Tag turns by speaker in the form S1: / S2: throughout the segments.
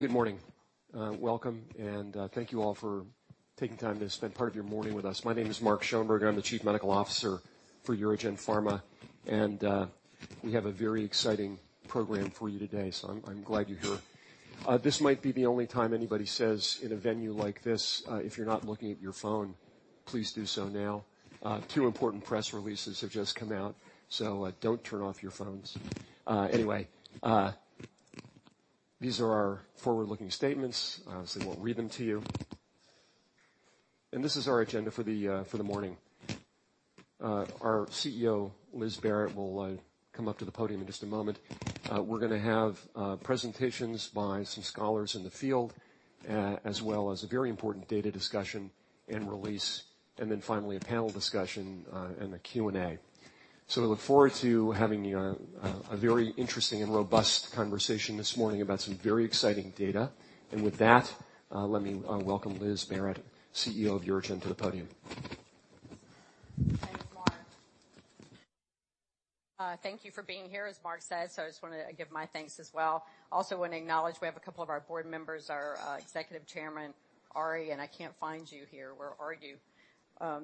S1: Good morning. Welcome, and thank you all for taking time to spend part of your morning with us. My name is Mark Schoenberg. I'm the Chief Medical Officer for UroGen Pharma, and we have a very exciting program for you today, so I'm glad you're here. This might be the only time anybody says in a venue like this, "If you're not looking at your phone, please do so now." Two important press releases have just come out, so don't turn off your phones. Anyway, these are our forward-looking statements. I won't read them to you. This is our agenda for the morning. Our CEO, Elizabeth Barrett, will come up to the podium in just a moment. We're gonna have presentations by some scholars in the field, as well as a very important data discussion and release, finally, a panel discussion, and a Q&A. We look forward to having a very interesting and robust conversation this morning about some very exciting data. With that, let me welcome Liz Barrett, CEO of UroGen, to the podium.
S2: Thanks, Mark. Thank you for being here, as Mark said, I just wanna give my thanks as well. Also want to acknowledge we have a couple of our board members, our Executive Chairman, Arie, and I can't find you here. Where are you?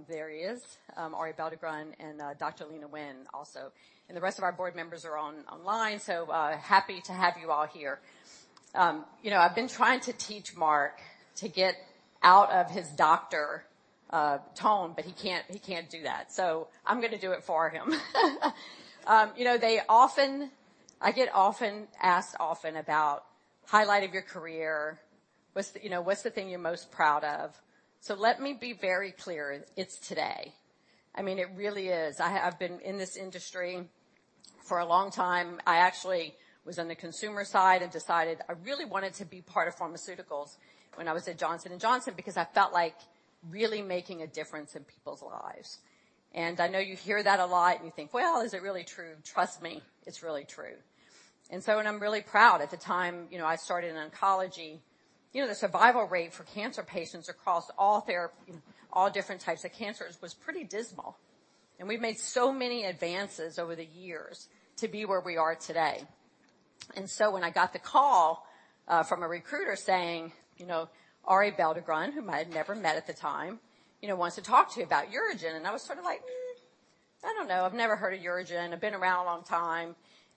S2: There he is, Arie Belldegrun and Dr. Leana Wen also. The rest of our board members are online, happy to have you all here. You know, I've been trying to teach Mark to get out of his doctor tone, he can't do that, I'm gonna do it for him. You know, I get often asked often about highlight of your career. What's the, you know, what's the thing you're most proud of? Let me be very clear: it's today. I mean, it really is. I've been in this industry for a long time. I actually was on the consumer side and decided I really wanted to be part of pharmaceuticals when I was at Johnson & Johnson because I felt like really making a difference in people's lives. I know you hear that a lot, and you think, "Well, is it really true?" Trust me, it's really true. I'm really proud. At the time, you know, I started in oncology, you know, the survival rate for cancer patients across all therapy, all different types of cancers was pretty dismal. We've made so many advances over the years to be where we are today. When I got the call from a recruiter saying, "You know, Arie Belldegrun," whom I had never met at the time, "you know, wants to talk to you about UroGen." I was sort of like, "I don't know. I've never heard of UroGen. I've been around a long time,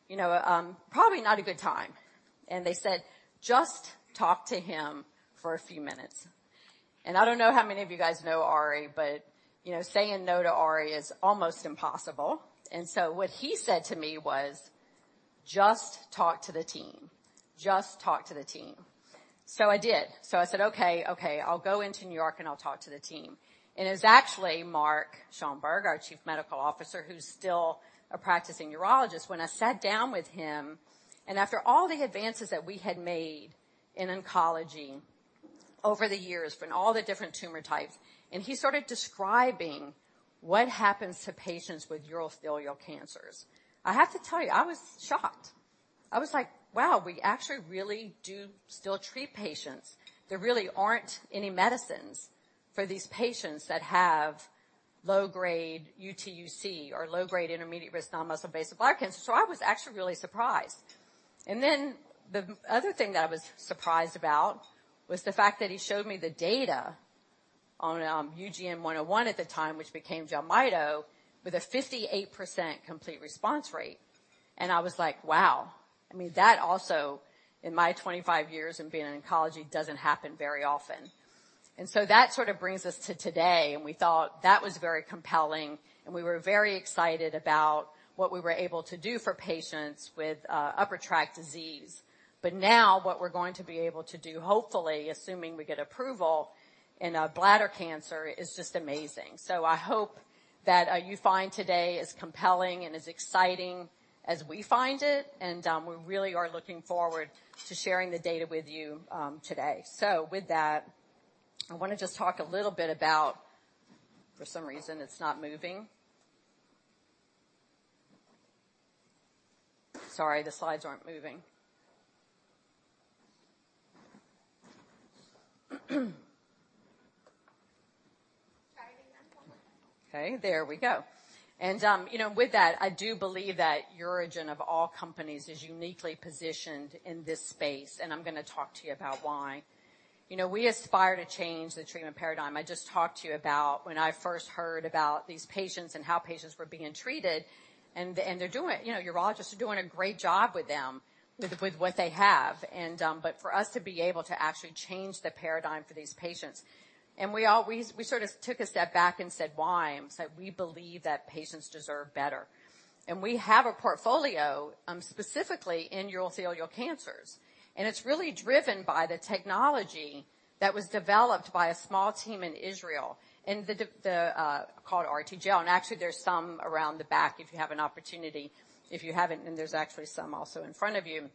S2: you know, probably not a good time." They said, "Just talk to him for a few minutes." I don't know how many of you guys know Arie, but, you know, saying no to Arie is almost impossible. What he said to me was, "Just talk to the team. Just talk to the team." I did. I said: Okay, okay, I'll go into New York, and I'll talk to the team. It was actually Mark Schoenberg, our Chief Medical Officer, who's still a practicing urologist, when I sat down with him, and after all the advances that we had made in oncology over the years for all the different tumor types, and he started describing what happens to patients with urothelial cancers. I have to tell you, I was shocked. I was like, "Wow, we actually really do still treat patients." There really aren't any medicines for these patients that have low-grade UTUC or low-grade intermediate-risk non-muscle invasive bladder cancer, so I was actually really surprised. The other thing that I was surprised about was the fact that he showed me the data on UGN-101 at the time, which became JELMYTO, with a 58% complete response rate. I was like, Wow! I mean, that also, in my 25 years in being in oncology, doesn't happen very often. That sort of brings us to today, and we thought that was very compelling, and we were very excited about what we were able to do for patients with upper tract disease. Now what we're going to be able to do, hopefully, assuming we get approval in bladder cancer, is just amazing. I hope that you find today as compelling and as exciting as we find it, and we really are looking forward to sharing the data with you today. With that, I wanna just talk a little bit about. For some reason, it's not moving. Sorry, the slides aren't moving.
S3: Try it again one more time.
S2: Okay, there we go. You know, with that, I do believe that UroGen, of all companies, is uniquely positioned in this space, and I'm gonna talk to you about why. You know, we aspire to change the treatment paradigm. I just talked to you about when I first heard about these patients and how patients were being treated, and you know, urologists are doing a great job with them, with, with what they have, and, but for us to be able to actually change the paradigm for these patients. We all, we sort of took a step back and said, "Why?" We said, "We believe that patients deserve better." We have a portfolio, specifically in urothelial cancers, and it's really driven by the technology that was developed by a small team in Israel, and the, called RTGel. Actually, there's some around the back if you have an opportunity. If you haven't, then there's actually some also in front of you.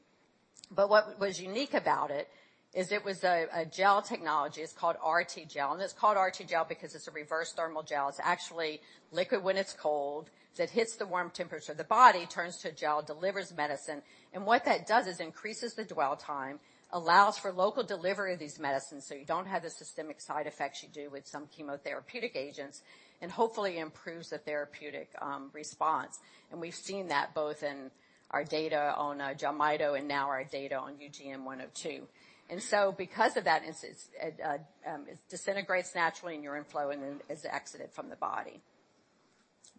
S2: What was unique about it is it was a gel technology. It's called RTGel, and it's called RTGel because it's a reverse thermal gel. It's actually liquid when it's cold, that hits the warm temperature of the body, turns to gel, delivers medicine, and what that does is increases the dwell time, allows for local delivery of these medicines, so you don't have the systemic side effects you do with some chemotherapeutic agents, and hopefully improves the therapeutic response. We've seen that both our data on gemcitabine and now our data on UGN-102. Because of that, it's it disintegrates naturally in urine flow and then is exited from the body.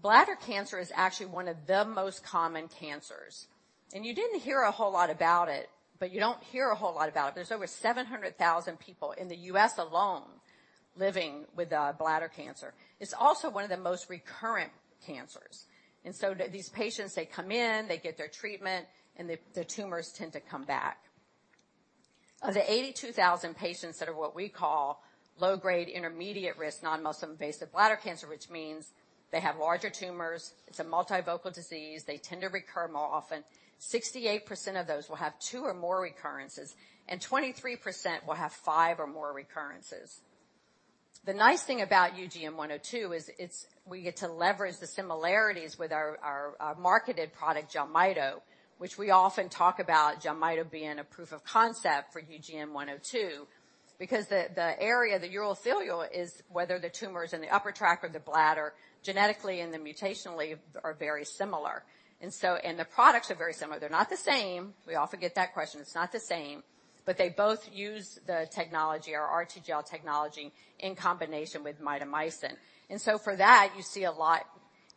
S2: Bladder cancer is actually one of the most common cancers, and you didn't hear a whole lot about it, but you don't hear a whole lot about it. There's over 700,000 people in the US alone living with bladder cancer. It's also one of the most recurrent cancers. These patients, they come in, they get their treatment, and the tumors tend to come back. Of the 82,000 patients that are what we call low-grade intermediate-risk non-muscle invasive bladder cancer, which means they have larger tumors. It's a multifocal disease. They tend to recur more often. 68% of those will have two or more recurrences, and 23% will have five or more recurrences. The nice thing about UGN-102 is we get to leverage the similarities with our marketed product, JELMYTO, which we often talk about JELMYTO being a proof of concept for UGN-102. Because the area, the urothelium, is whether the tumors in the upper tract or the bladder, genetically and then mutationally, are very similar. The products are very similar. They're not the same. We often get that question. It's not the same, they both use the technology or RTGel technology in combination with Mitomycin. For that, you see a lot,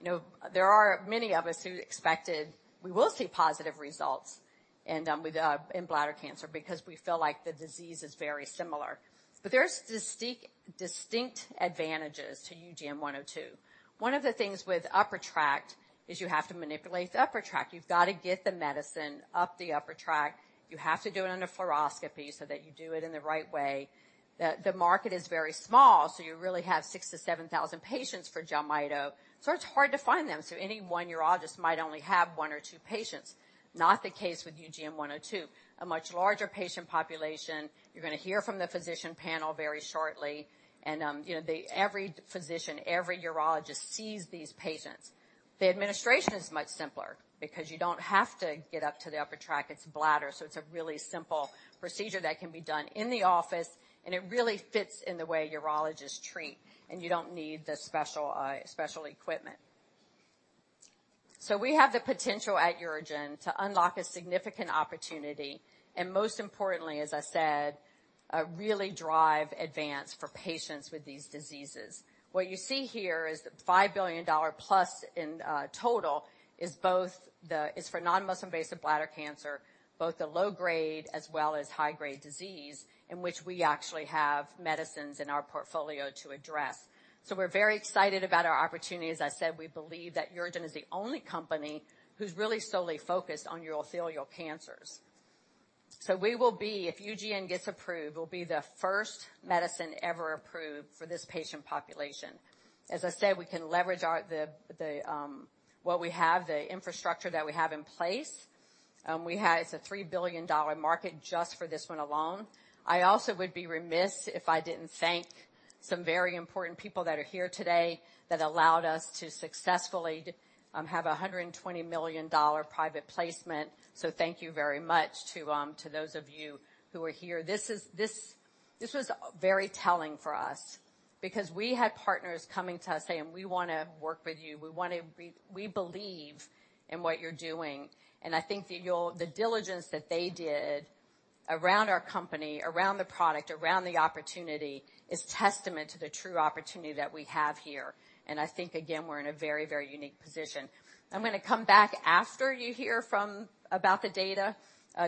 S2: you know, there are many of us who expected we will see positive results in bladder cancer because we feel like the disease is very similar. There's distinct advantages to UGN-102. One of the things with upper tract is you have to manipulate the upper tract. You've got to get the medicine up the upper tract. You have to do it under fluoroscopy so that you do it in the right way. The market is very small, so you really have 6,000-7,000 patients for JELMYTO, so it's hard to find them. Any one urologist might only have one or two patients. Not the case with UGN-102, a much larger patient population. You're going to hear from the physician panel very shortly, you know, every physician, every urologist sees these patients. The administration is much simpler because you don't have to get up to the upper tract. It's bladder, it's a really simple procedure that can be done in the office, it really fits in the way urologists treat, you don't need the special equipment. We have the potential at UroGen to unlock a significant opportunity, most importantly, as I said, really drive advance for patients with these diseases. What you see here is $5 billion plus in total is for non-muscle invasive bladder cancer, both the low grade as well as high-grade disease, in which we actually have medicines in our portfolio to address. We're very excited about our opportunity. As I said, we believe that UroGen is the only company who's really solely focused on urothelial cancers. We will be, if UGN gets approved, we'll be the first medicine ever approved for this patient population. As I said, we can leverage our, the infrastructure that we have in place. It's a $3 billion market just for this one alone. I also would be remiss if I didn't thank some very important people that are here today that allowed us to successfully have a $120 million private placement. Thank you very much to those of you who are here. This was very telling for us because we had partners coming to us saying, "We want to work with you. We believe in what you're doing." I think that the diligence that they did around our company, around the product, around the opportunity, is testament to the true opportunity that we have here. I think, again, we're in a very, very unique position. I'm going to come back after you hear from... about the data,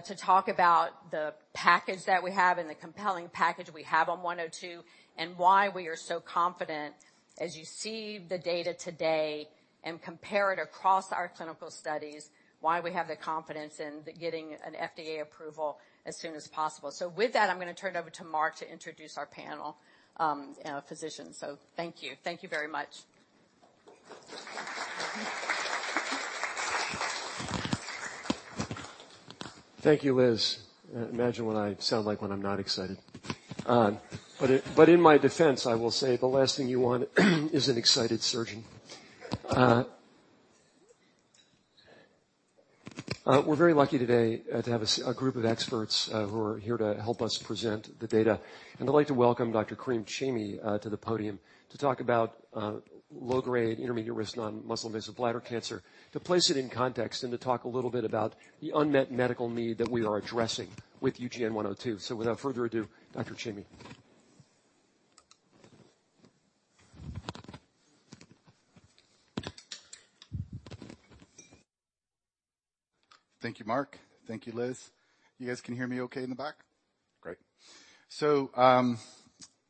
S2: to talk about the package that we have and the compelling package we have on UGN-102, and why we are so confident as you see the data today and compare it across our clinical studies, why we have the confidence in getting an FDA appro as soon as possible. With that, I'm going to turn it over to Mark to introduce our panel, physicians. Thank you. Thank you very much.
S1: Thank you, Liz. Imagine what I sound like when I'm not excited. But in my defense, I will say the last thing you want is an excited surgeon. We're very lucky today, to have a group of experts, who are here to help us present the data. I'd like to welcome Dr. Karim Chamie to the podium to talk about low-grade intermediate-risk non-muscle invasive bladder cancer, to place it in context, and to talk a little bit about the unmet medical need that we are addressing with UGN-102. Without further ado, Dr. Chamie.
S4: Thank you, Mark. Thank you, Liz. You guys can hear me okay in the back? Great.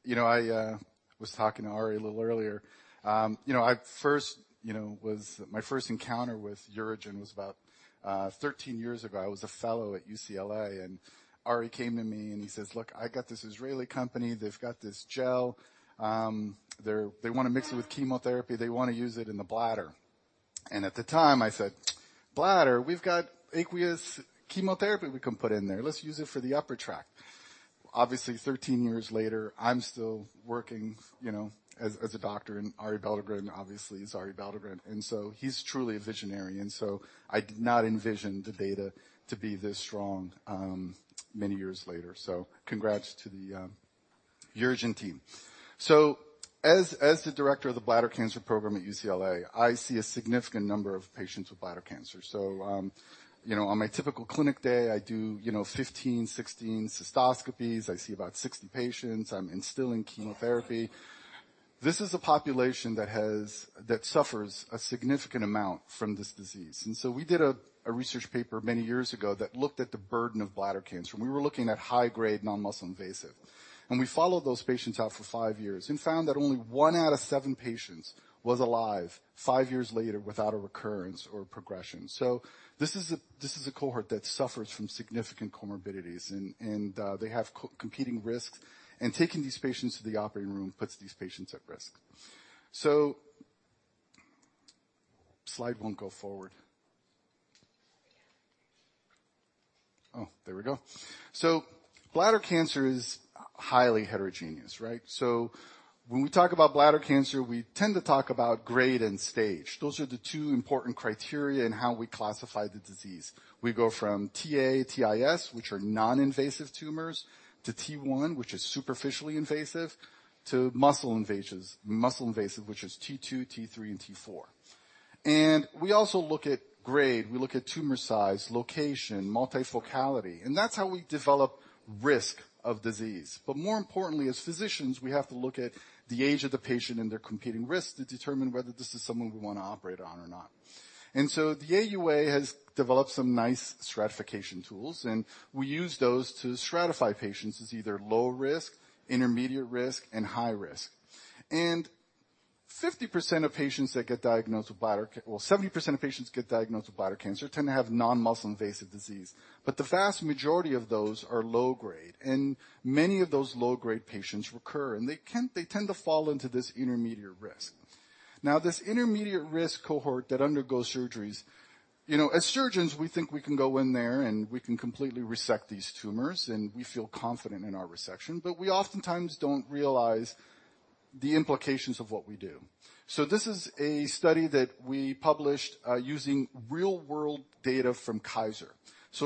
S4: You know, I was talking to Arie a little earlier. You know, I first, you know, my first encounter with UroGen was about 13 years ago. I was a fellow at UCLA, Arie, came to me, and he says, "Look, I got this Israeli company, they've got this gel. They want to mix it with chemotherapy. They want to use it in the bladder." At the time I said, "Bladder? We've got aqueous chemotherapy we can put in there. Let's use it for the upper tract." Obviously, 13 years later, I'm still working, you know, as a doctor, Arie Belldegrun, obviously, is Arie Belldegrun, he's truly a visionary, I did not ENVISION the data to be this strong many years later. Congrats to the UroGen team. As the director of the bladder cancer program at UCLA, I see a significant number of patients with bladder cancer. On my typical clinic day, I do, you know, 15, 16 cystoscopies. I see about 60 patients. I'm instilling chemotherapy. This is a population that suffers a significant amount from this disease. We did a research paper many years ago that looked at the burden of bladder cancer. We were looking at high-grade non-muscle invasive, we followed those patients out for five years and found that only one out of seven patients was alive five years later without a recurrence or progression. This is a cohort that suffers from significant comorbidities, and they have co-competing risks. Taking these patients to the operating room puts these patients at risk. Slide won't go forward. There we go. Bladder cancer is highly heterogeneous, right? When we talk about bladder cancer, we tend to talk about grade and stage. Those are the two important criteria in how we classify the disease. We go from Ta, Tis, which are non-invasive tumors, to T1, which is superficially invasive, to muscle invasive, which is T2, T3, and T4. We also look at grade, we look at tumor size, location, multifocality, and that's how we develop risk of disease. More importantly, as physicians, we have to look at the age of the patient and their competing risks to determine whether this is someone we want to operate on or not. The AUA has developed some nice stratification tools, and we use those to stratify patients as either low risk, intermediate risk, and high risk. 50% of patients that get diagnosed with bladder, well, 70% of patients get diagnosed with bladder cancer tend to have non-muscle invasive disease, but the vast majority of those are low grade, and many of those low-grade patients recur, and they tend to fall into this intermediate risk. This intermediate risk cohort that undergoes surgeries, you know, as surgeons, we think we can go in there, and we can completely resect these tumors, and we feel confident in our resection, but we oftentimes don't realize the implications of what we do. This is a study that we published using real-world data from Kaiser.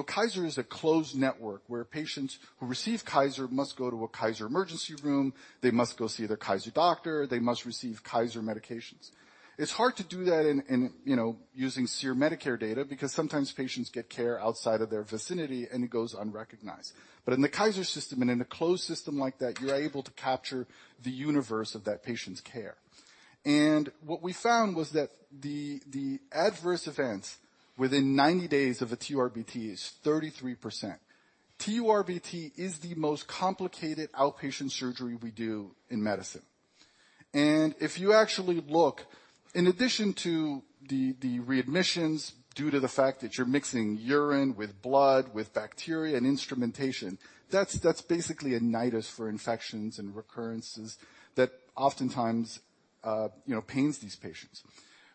S4: Kaiser is a closed network where patients who receive Kaiser must go to a Kaiser emergency room, they must go see their Kaiser doctor, they must receive Kaiser medications. It's hard to do that in, you know, using SEER-Medicare data, because sometimes patients get care outside of their vicinity, and it goes unrecognized. In the Kaiser system and in a closed system like that, you're able to capture the universe of that patient's care. What we found was that the adverse events within 90 days of a TURBT is 33%. TURBT is the most complicated outpatient surgery we do in medicine. If you actually look, in addition to the readmissions due to the fact that you're mixing urine with blood, with bacteria, and instrumentation, that's basically a nidus for infections and recurrences that oftentimes, you know, pains these patients.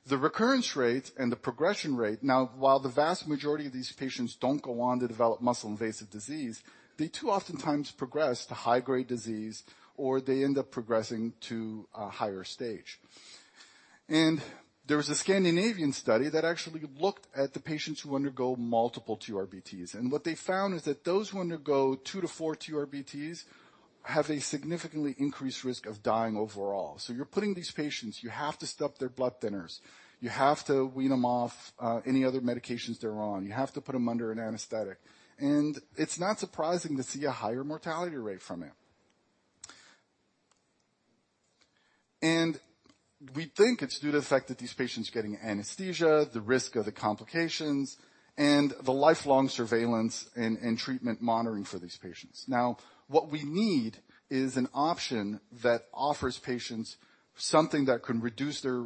S4: The recurrence rate and the progression rate. While the vast majority of these patients don't go on to develop muscle-invasive disease, they too oftentimes progress to high-grade disease or they end up progressing to a higher stage. There was a Scandinavian study that actually looked at the patients who undergo multiple TURBTs, and what they found is that those who undergo two to four TURBTs have a significantly increased risk of dying overall. You're putting these patients... You have to stop their blood thinners. You have to wean them off any other medications they're on. You have to put them under an anesthetic. It's not surprising to see a higher mortality rate from it. We think it's due to the fact that these patients getting anesthesia, the risk of the complications, and the lifelong surveillance and treatment monitoring for these patients. What we need is an option that offers patients something that can reduce their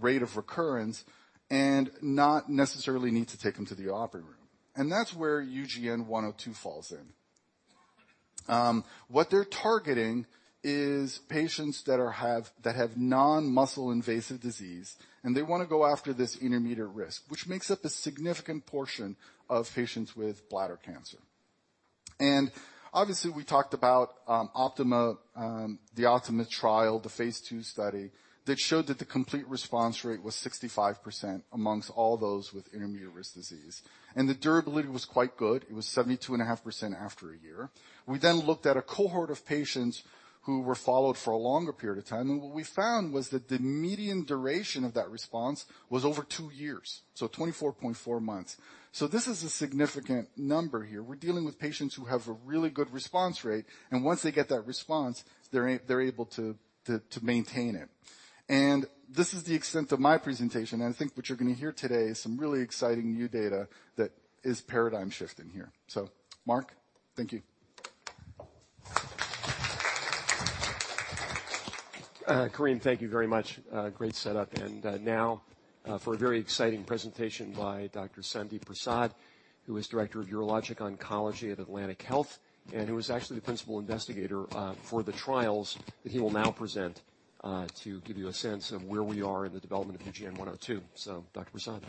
S4: rate of recurrence and not necessarily need to take them to the operating room. That's where UGN-102 falls in. What they're targeting is patients that have non-muscle invasive disease, and they want to go after this intermediate risk, which makes up a significant portion of patients with bladder cancer. Obviously, we talked about OPTIMA, the Phase II study, that showed that the complete response rate was 65% amongst all those with intermediate-risk disease, and the durability was quite good. It was 72.5% after a year. We then looked at a cohort of patients who were followed for a longer period of time, and what we found was that the median duration of that response was over two years, so 24.4 months. This is a significant number here. We're dealing with patients who have a really good response rate, and once they get that response, they're able to maintain it. This is the extent of my presentation, and I think what you're going to hear today is some really exciting new data that is paradigm-shifting here. Mark, thank you.
S1: Karim, thank you very much. Great setup. Now, for a very exciting presentation by Dr. Sandip Prasad, who is Director of Urologic Oncology at Atlantic Health and who is actually the principal investigator for the trials that he will now present to give you a sense of where we are in the development of UGN-102. Dr. Prasad.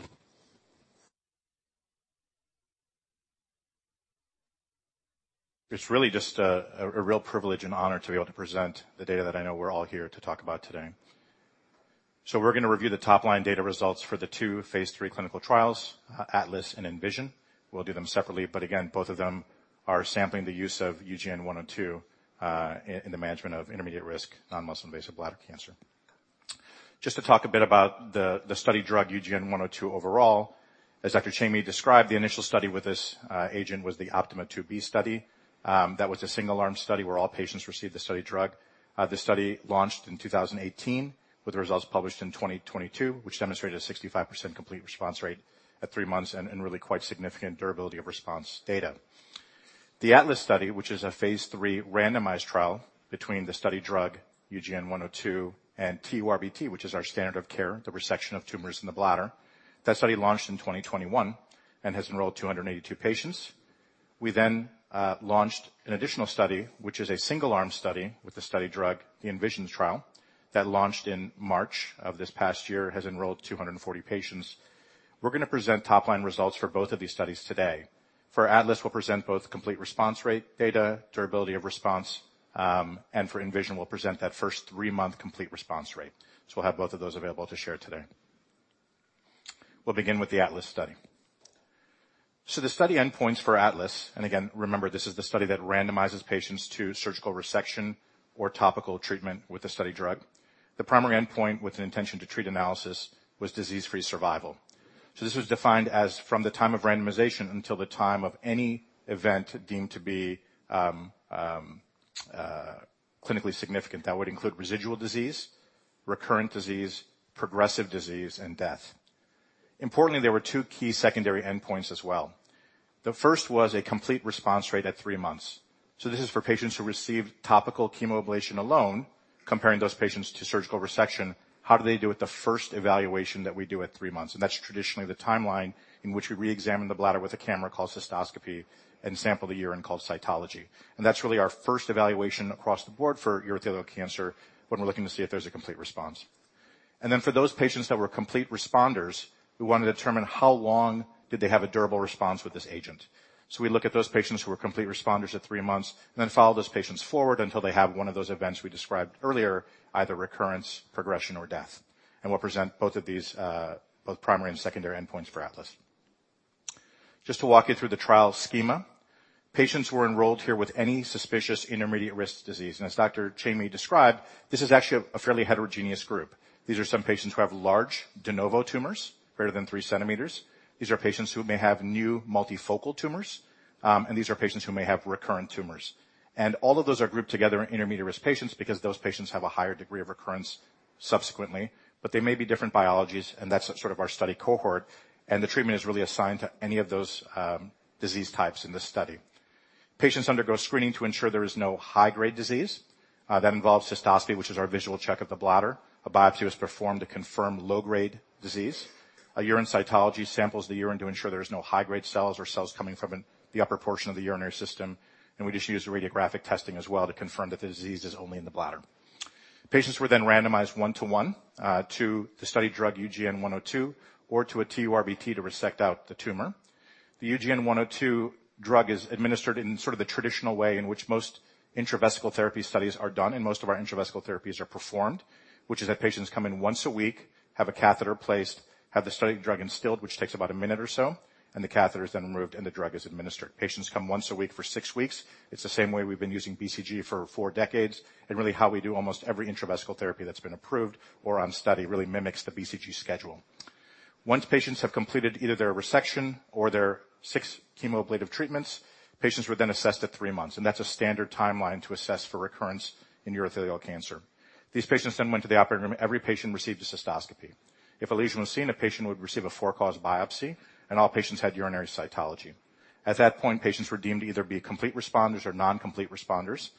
S5: It's really just a real privilege and honor to be able to present the data that I know we're all here to talk about today. We're going to review the top-line data results for the two Phase 3 clinical trials, ATLAS and ENVISION. We'll do them separately, but again, both of them are sampling the use of UGN-102 in the management of intermediate-risk non-muscle invasive bladder cancer. Just to talk a bit about the study drug, UGN-102, overall, as Dr. Chamie described, the initial study with this agent was the OPTIMA II study. That was a single-arm study where all patients received the study drug. The study launched in 2018, with the results published in 2022, which demonstrated a 65% complete response rate at three months and really quite significant durability of response data. The ATLAS study, which is a Phase 3 randomized trial between the study drug, UGN-102, and TURBT, which is our standard of care, the resection of tumors in the bladder. That study launched in 2021 and has enrolled 282 patients. We then launched an additional study, which is a single-arm study with the study drug, the ENVISION trial, that launched in March of this past year, has enrolled 240 patients. We're gonna present top-line results for both of these studies today. For ATLAS, we'll present both complete response rate data, durability of response, and for ENVISION, we'll present that first 3-month complete response rate. We'll have both of those available to share today. We'll begin with the ATLAS study. The study endpoints for ATLAS, and again, remember, this is the study that randomizes patients to surgical resection or topical treatment with the study drug. The primary endpoint with an intention-to-treat analysis was disease-free survival. This was defined as from the time of randomization until the time of any event deemed to be clinically significant. That would include residual disease, recurrent disease, progressive disease, and death. Importantly, there were two key secondary endpoints as well. The first was a complete response rate at three months. This is for patients who received topical chemo ablation alone, comparing those patients to surgical resection, how do they do at the first evaluation that we do at three months? That's traditionally the timeline in which we reexamine the bladder with a camera called cystoscopy and sample the urine, called cytology. That's really our first evaluation across the board for urothelial cancer when we're looking to see if there's a complete response. For those patients that were complete responders, we want to determine how long did they have a durable response with this agent. We look at those patients who are complete responders at three months and then follow those patients forward until they have one of those events we described earlier, either recurrence, progression, or death. We'll present both of these, both primary and secondary endpoints for ATLAS. Just to walk you through the trial schema. Patients were enrolled here with any suspicious intermediate-risk disease. As Dr. Chamie described, this is actually a fairly heterogeneous group. These are some patients who have large de novo tumors, greater than 3 centimeters. These are patients who may have new multifocal tumors, and these are patients who may have recurrent tumors. All of those are grouped together in intermediate-risk patients because those patients have a higher degree of recurrence subsequently, but they may be different biologies, and that's sort of our study cohort. The treatment is really assigned to any of those disease types in this study. Patients undergo screening to ensure there is no high-grade disease. That involves cystoscopy, which is our visual check of the bladder. A biopsy is performed to confirm low-grade disease. A urine cytology samples the urine to ensure there is no high-grade cells or cells coming from the upper portion of the urinary system, and we just use radiographic testing as well to confirm that the disease is only in the bladder. Patients were randomized one to one to the study drug, UGN-102, or to a TURBT to resect out the tumor. The UGN-102 drug is administered in sort of the traditional way in which most intravesical therapy studies are done, and most of our intravesical therapies are performed, which is that patients come in once a week, have a catheter placed, have the study drug instilled, which takes about a minute or so, and the catheter is then removed, and the drug is administered. Patients come once a week for six weeks. It's the same way we've been using BCG for four decades, and really how we do almost every intravesical therapy that's been approved or on study, really mimics the BCG schedule. Once patients have completed either their resection or their 6 chemoablative treatments, patients were then assessed at three months, and that's a standard timeline to assess for recurrence in urothelial cancer. These patients then went to the operating room. Every patient received a cystoscopy. If a lesion was seen, the patient would receive a four-cause biopsy, and all patients had urinary cytology. At that point, patients were deemed to either be complete responders or non-complete responders.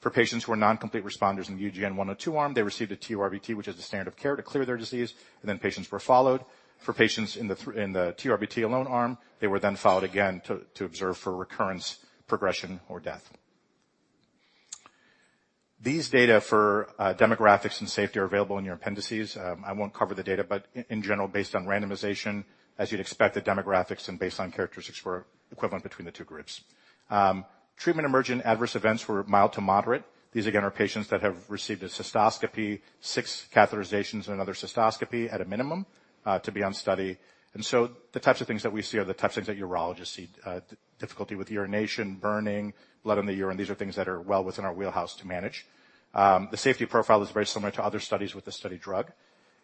S5: For patients who are non-complete responders in the UGN-102 arm, they received a TURBT, which is the standard of care, to clear their disease, and then patients were followed. For patients in the TURBT-alone arm, they were then followed again to observe for recurrence, progression, or death. These data for demographics and safety are available in your appendices. I won't cover the data, but in general, based on randomization, as you'd expect, the demographics and baseline characteristics were equivalent between the two groups. Treatment-emergent adverse events were mild to moderate. These, again, are patients that have received a cystoscopy, 6 catheterizations, and another cystoscopy at a minimum, to be on study. The types of things that we see are the types of things that urologists see, difficulty with urination, burning, blood in the urine. These are things that are well within our wheelhouse to manage. The safety profile is very similar to other studies with this study drug.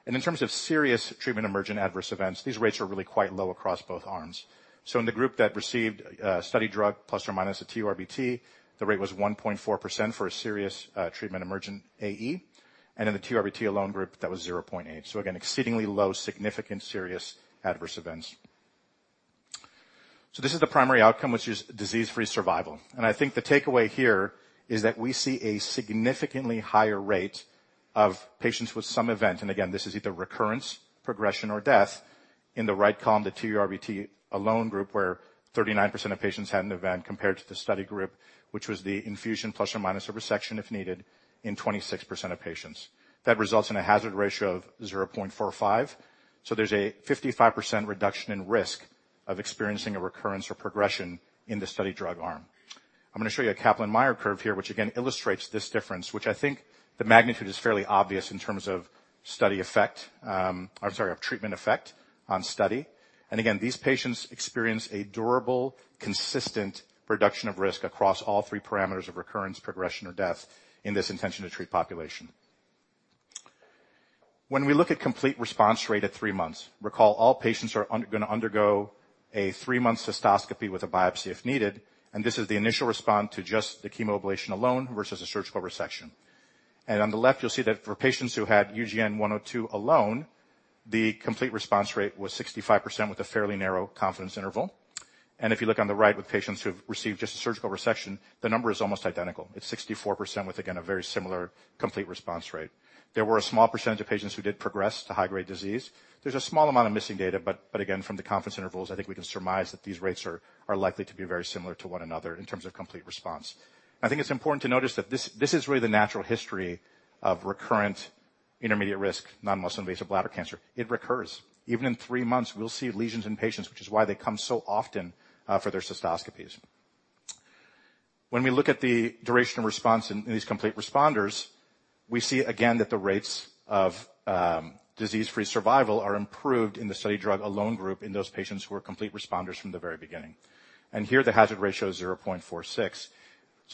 S5: In terms of serious treatment-emergent adverse events, these rates are really quite low across both arms. In the group that received study drug plus or minus a TURBT, the rate was 1.4% for a serious treatment-emergent AE, and in the TURBT-alone group, that was 0.8. Again, exceedingly low, significant, serious adverse events. This is the primary outcome, which is disease-free survival. I think the takeaway here is that we see a significantly higher rate of patients with some event. Again, this is either recurrence, progression, or death. In the right column, the TURBT-alone group, where 39% of patients had an event, compared to the study group, which was the infusion plus or minus a resection, if needed, in 26% of patients. That results in a hazard ratio of 0.45. There's a 55% reduction of experiencing a recurrence or progression in the study drug arm. I'm going to show you a Kaplan-Meier curve here, which again, illustrates this difference, which I think the magnitude is fairly obvious in terms of study effect, I'm sorry, of treatment effect on study. Again, these patients experience a durable, consistent reduction of risk across all three parameters of recurrence, progression, or death in this intention-to-treat population. We look at complete response rate at three months, recall, all patients are gonna undergo a three-month cystoscopy with a biopsy, if needed, and this is the initial response to just the chemoablation alone versus a surgical resection. On the left, you'll see that for patients who had UGN-102 alone, the complete response rate was 65% with a fairly narrow confidence interval. If you look on the right with patients who have received just a surgical resection, the number is almost identical. It's 64% with, again, a very similar complete response rate. There were a small percentage of patients who did progress to high-grade disease. There's a small amount of missing data, but again, from the confidence intervals, I think we can surmise that these rates are likely to be very similar to one another in terms of complete response. I think it's important to notice that this is really the natural history of recurrent intermediate-risk non-muscle-invasive bladder cancer. It recurs. Even in three months, we'll see lesions in patients, which is why they come so often for their cystoscopies. When we look at the duration of response in these complete responders, we see again that the rates of disease-free survival are improved in the study drug alone group in those patients who are complete responders from the very beginning. Here, the hazard ratio is 0.46,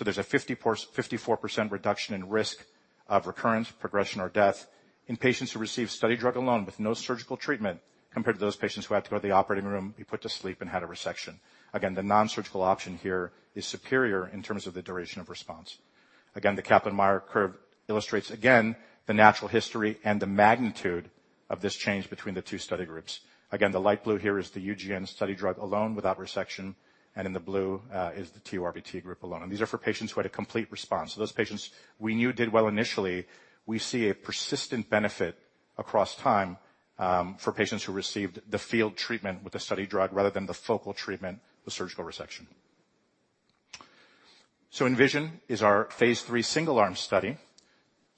S5: there's a 54% reduction in risk of recurrence, progression, or death in patients who receive study drug alone with no surgical treatment, compared to those patients who had to go to the operating room, be put to sleep, and had a resection. The nonsurgical option here is superior in terms of the duration of response. The Kaplan-Meier curve illustrates, the natural history and the magnitude of this change between the two study groups. The light blue here is the UGN study drug alone without resection, in the blue, is the TURBT group alone. These are for patients who had a complete response. Those patients we knew did well initially. We see a persistent benefit across time for patients who received the field treatment with the study drug, rather than the focal treatment, the surgical resection. ENVISION is our Phase 3 single-arm study,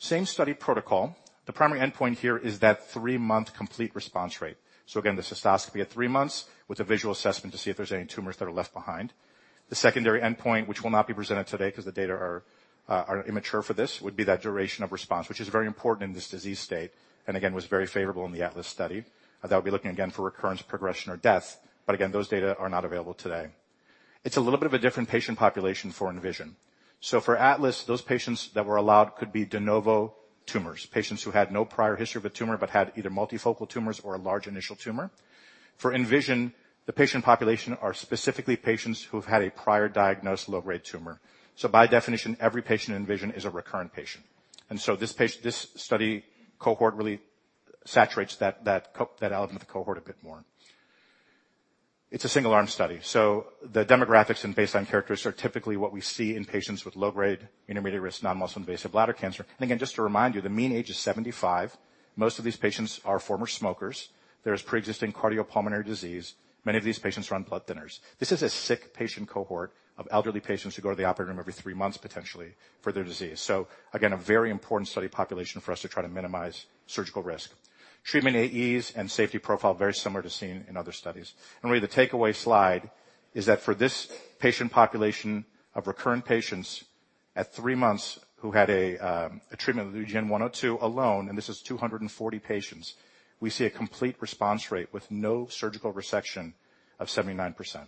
S5: same study protocol. The primary endpoint here is that three-month complete response rate. Again, the cystoscopy at three months with a visual assessment to see if there's any tumors that are left behind. The secondary endpoint, which will not be presented today because the data are immature for this, would be that duration of response, which is very important in this disease state, and again, was very favorable in the ATLAS study. They'll be looking again for recurrence, progression, or death, but again, those data are not available today. It's a little bit of a different patient population for ENVISION. For ATLAS, those patients that were allowed could be de novo tumors, patients who had no prior history of a tumor but had either multifocal tumors or a large initial tumor. For ENVISION, the patient population are specifically patients who've had a prior diagnosed low-grade tumor. By definition, every patient in ENVISION is a recurrent patient. This study cohort really saturates that element of the cohort a bit more. It's a single-arm study, so the demographics and baseline characteristics are typically what we see in patients with low-grade, intermediate-risk, non-muscle invasive bladder cancer. Again, just to remind you, the mean age is 75. Most of these patients are former smokers. There's pre-existing cardiopulmonary disease. Many of these patients are on blood thinners. This is a sick patient cohort of elderly patients who go to the operating room every three months, potentially, for their disease. Again, a very important study population for us to try to minimize surgical risk. Treatment AEs and safety profile, very similar to seen in other studies. Really, the takeaway slide is that for this patient population of recurrent patients at months, who had a treatment with UGN-102 alone, and this is 240 patients, we see a complete response rate with no surgical resection of 79%.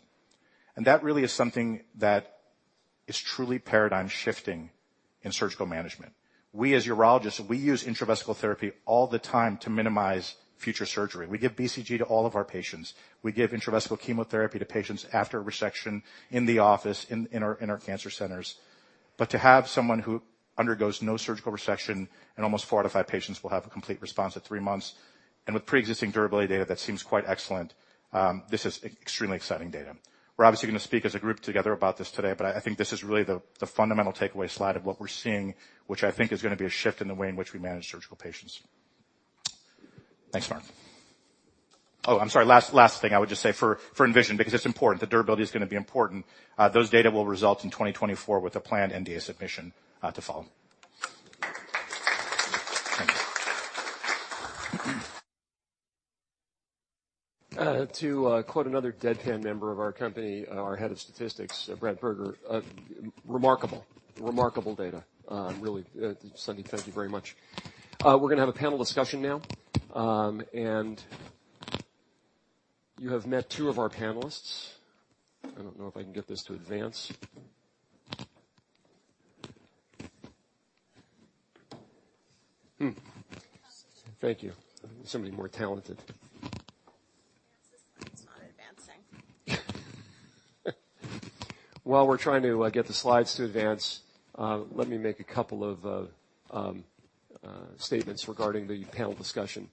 S5: That really is something that is truly paradigm-shifting in surgical management. We, as urologists, use intravesical therapy all the time to minimize future surgery. We give BCG to all of our patients. We give intravesical chemotherapy to patients after a resection in the office, in our cancer centers. To have someone who undergoes no surgical resection and almost four out of five patients will have a complete response at three months, and with pre-existing durability data, that seems quite excellent. This is extremely exciting data. We're obviously going to speak as a group together about this today, but I think this is really the fundamental takeaway slide of what we're seeing, which I think is going to be a shift in the way in which we manage surgical patients. Thanks, Mark. Oh, I'm sorry. Last thing I would just say for ENVISION, because it's important, the durability is going to be important. Those data will result in 2024 with a planned NDA submission to follow.
S1: To quote another deadpan member of our company, our Head of Statistics, Brad Berger, "Remarkable. Remarkable data." Really, Sandip, thank you very much. We're going to have a panel discussion now. You have met two of our panelists. I don't know if I can get this to advance. Thank you. Somebody more talented.
S2: It's not advancing.
S1: While we're trying to get the slides to advance, let me make a couple of statements regarding the panel discussion.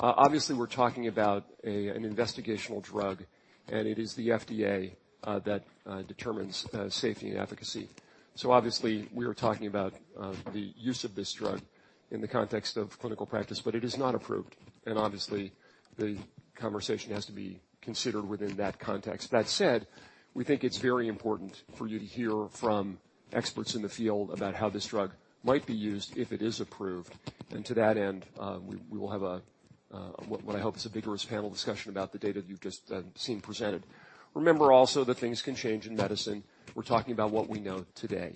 S1: Obviously, we're talking about an investigational drug, it is the FDA that determines safety and efficacy. Obviously, we are talking about the use of this drug in the context of clinical practice, but it is not approved, obviously, the conversation has to be considered within that context. That said, we think it's very important for you to hear from experts in the field about how this drug might be used if it is approved. To that end, we will have what I hope is a vigorous panel discussion about the data that you've just seen presented. Remember, also, that things can change in medicine. We're talking about what we know today.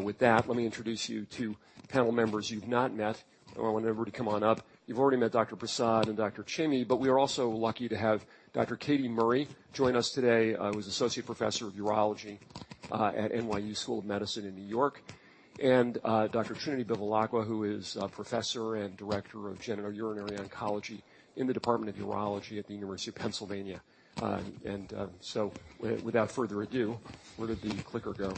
S1: With that, let me introduce you to panel members you've not met. I want everybody to come on up. You've already met Dr. Prasad and Dr. Chamie, but we are also lucky to have Dr. Katie Murray join us today, who's Associate Professor of Urology at NYU Grossman School of Medicine in New York. Dr. Trinity Bivalacqua, who is a Professor and Director of Genitourinary Oncology in the Department of Urology at the University of Pennsylvania. Without further ado, where did the clicker go?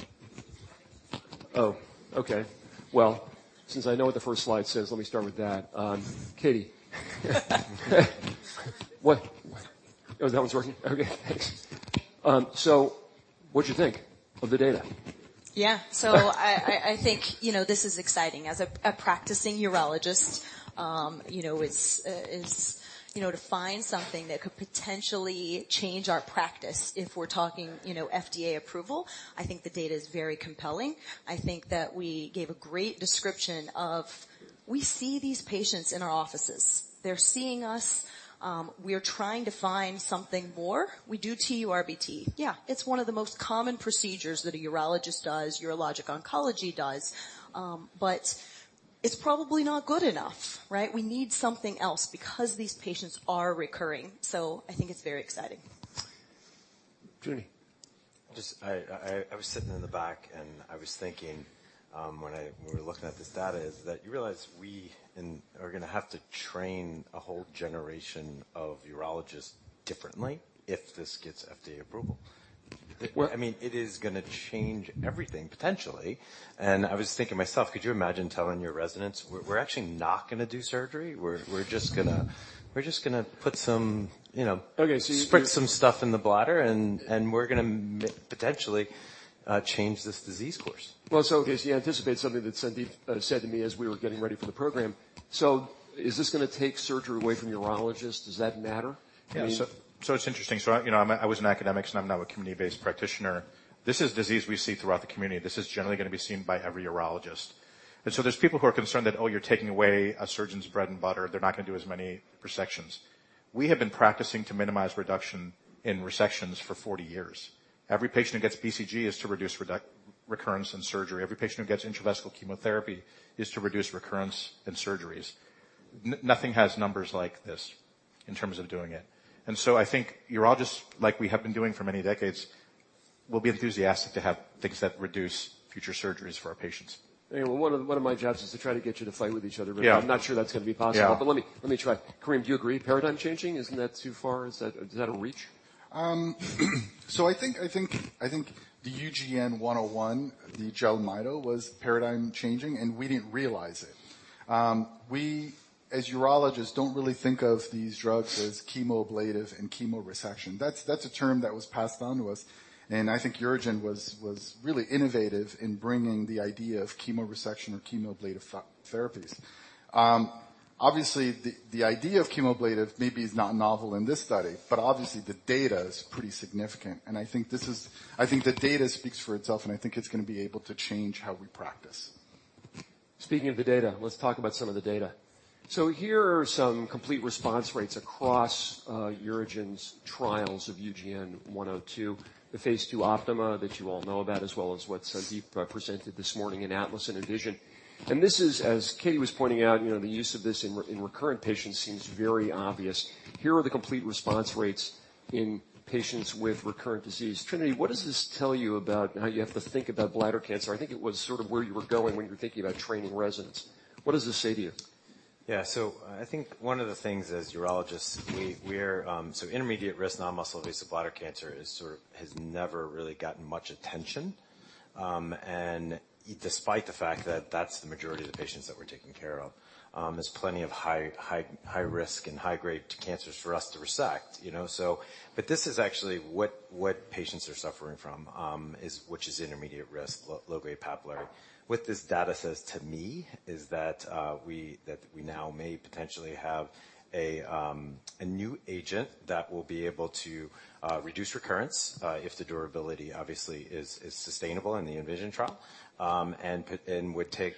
S1: Oh, okay. Well, since I know what the first slide says, let me start with that. Katie, What? Oh, that one's working? Okay, thanks. What'd you think of the data?
S6: Yeah. I think, you know, this is exciting. As a practicing urologist, you know, it's. You know, to find something that could potentially change our practice if we're talking, you know, FDA approval, I think the data is very compelling. I think that we gave a great description of. We see these patients in our offices. They're seeing us, we are trying to find something more. We do TURBT. Yeah, it's one of the most common procedures that a urologist does, urologic oncology does. It's probably not good enough, right? We need something else because these patients are recurring. I think it's very exciting.
S1: Trinity.
S7: I was sitting in the back, and I was thinking, when we were looking at this data, is that you realize we are gonna have to train a whole generation of urologists differently if this gets FDA approval.
S1: Well-
S7: I mean, it is gonna change everything, potentially. I was thinking to myself, could you imagine telling your residents, "We're actually not gonna do surgery? We're just gonna put some, you know...
S1: Okay, so.
S7: -spritz some stuff in the bladder, and we're gonna potentially, change this disease course.
S1: Well, as you anticipate, something that Sandip said to me as we were getting ready for the program: Is this gonna take surgery away from urologists? Does that matter? I mean.
S5: It's interesting. I, you know, I was in academics, and I'm now a community-based practitioner. This is disease we see throughout the community. This is generally gonna be seen by every urologist. There's people who are concerned that, "Oh, you're taking away a surgeon's bread and butter. They're not gonna do as many resections." We have been practicing to minimize reduction in resections for 40 years. Every patient who gets BCG is to reduce recurrence and surgery. Every patient who gets intravesical chemotherapy is to reduce recurrence and surgeries. Nothing has numbers like this in terms of doing it. I think urologists, like we have been doing for many decades, will be enthusiastic to have things that reduce future surgeries for our patients.
S1: One of my jobs is to try to get you to fight with each other.
S5: Yeah.
S1: I'm not sure that's gonna be possible.
S5: Yeah.
S1: Let me, let me try. Karim, do you agree, paradigm changing? Isn't that too far? Is that, is that a reach?
S4: I think the UGN-101, the gemcitabine was paradigm changing, and we didn't realize it. We, as urologists, don't really think of these drugs as chemoablative and chemoresection. That's a term that was passed on to us, and I think UroGen was really innovative in bringing the idea of chemoresection or chemoablative therapies. obviously, the idea of chemoablative maybe is not novel in this study, but obviously, the data is pretty significant. I think the data speaks for itself, and I think it's gonna be able to change how we practice.
S1: Speaking of the data, let's talk about some of the data. Here are some complete response rates across UroGen's trials of UGN-102, the Phase II OPTIMA that you all know about, as well as what Sandip presented this morning in ATLAS and ENVISION. This is, as Katie was pointing out, you know, the use of this in recurrent patients seems very obvious. Here are the complete response rates in patients with recurrent disease. Trinity, what does this tell you about how you have to think about bladder cancer? I think it was sort of where you were going when you were thinking about training residents. What does this say to you?
S7: I think one of the things as urologists, we're. Intermediate-risk non-muscle-invasive bladder cancer is sort of, has never really gotten much attention, and despite the fact that that's the majority of the patients that we're taking care of. There's plenty of high-risk and high-grade cancers for us to resect, you know. This is actually what, what patients are suffering from, which is intermediate-risk low-grade papillary. What this data says to me is that we now may potentially have a new agent that will be able to reduce recurrence, if the durability, obviously, is sustainable in the ENVISION trial. would take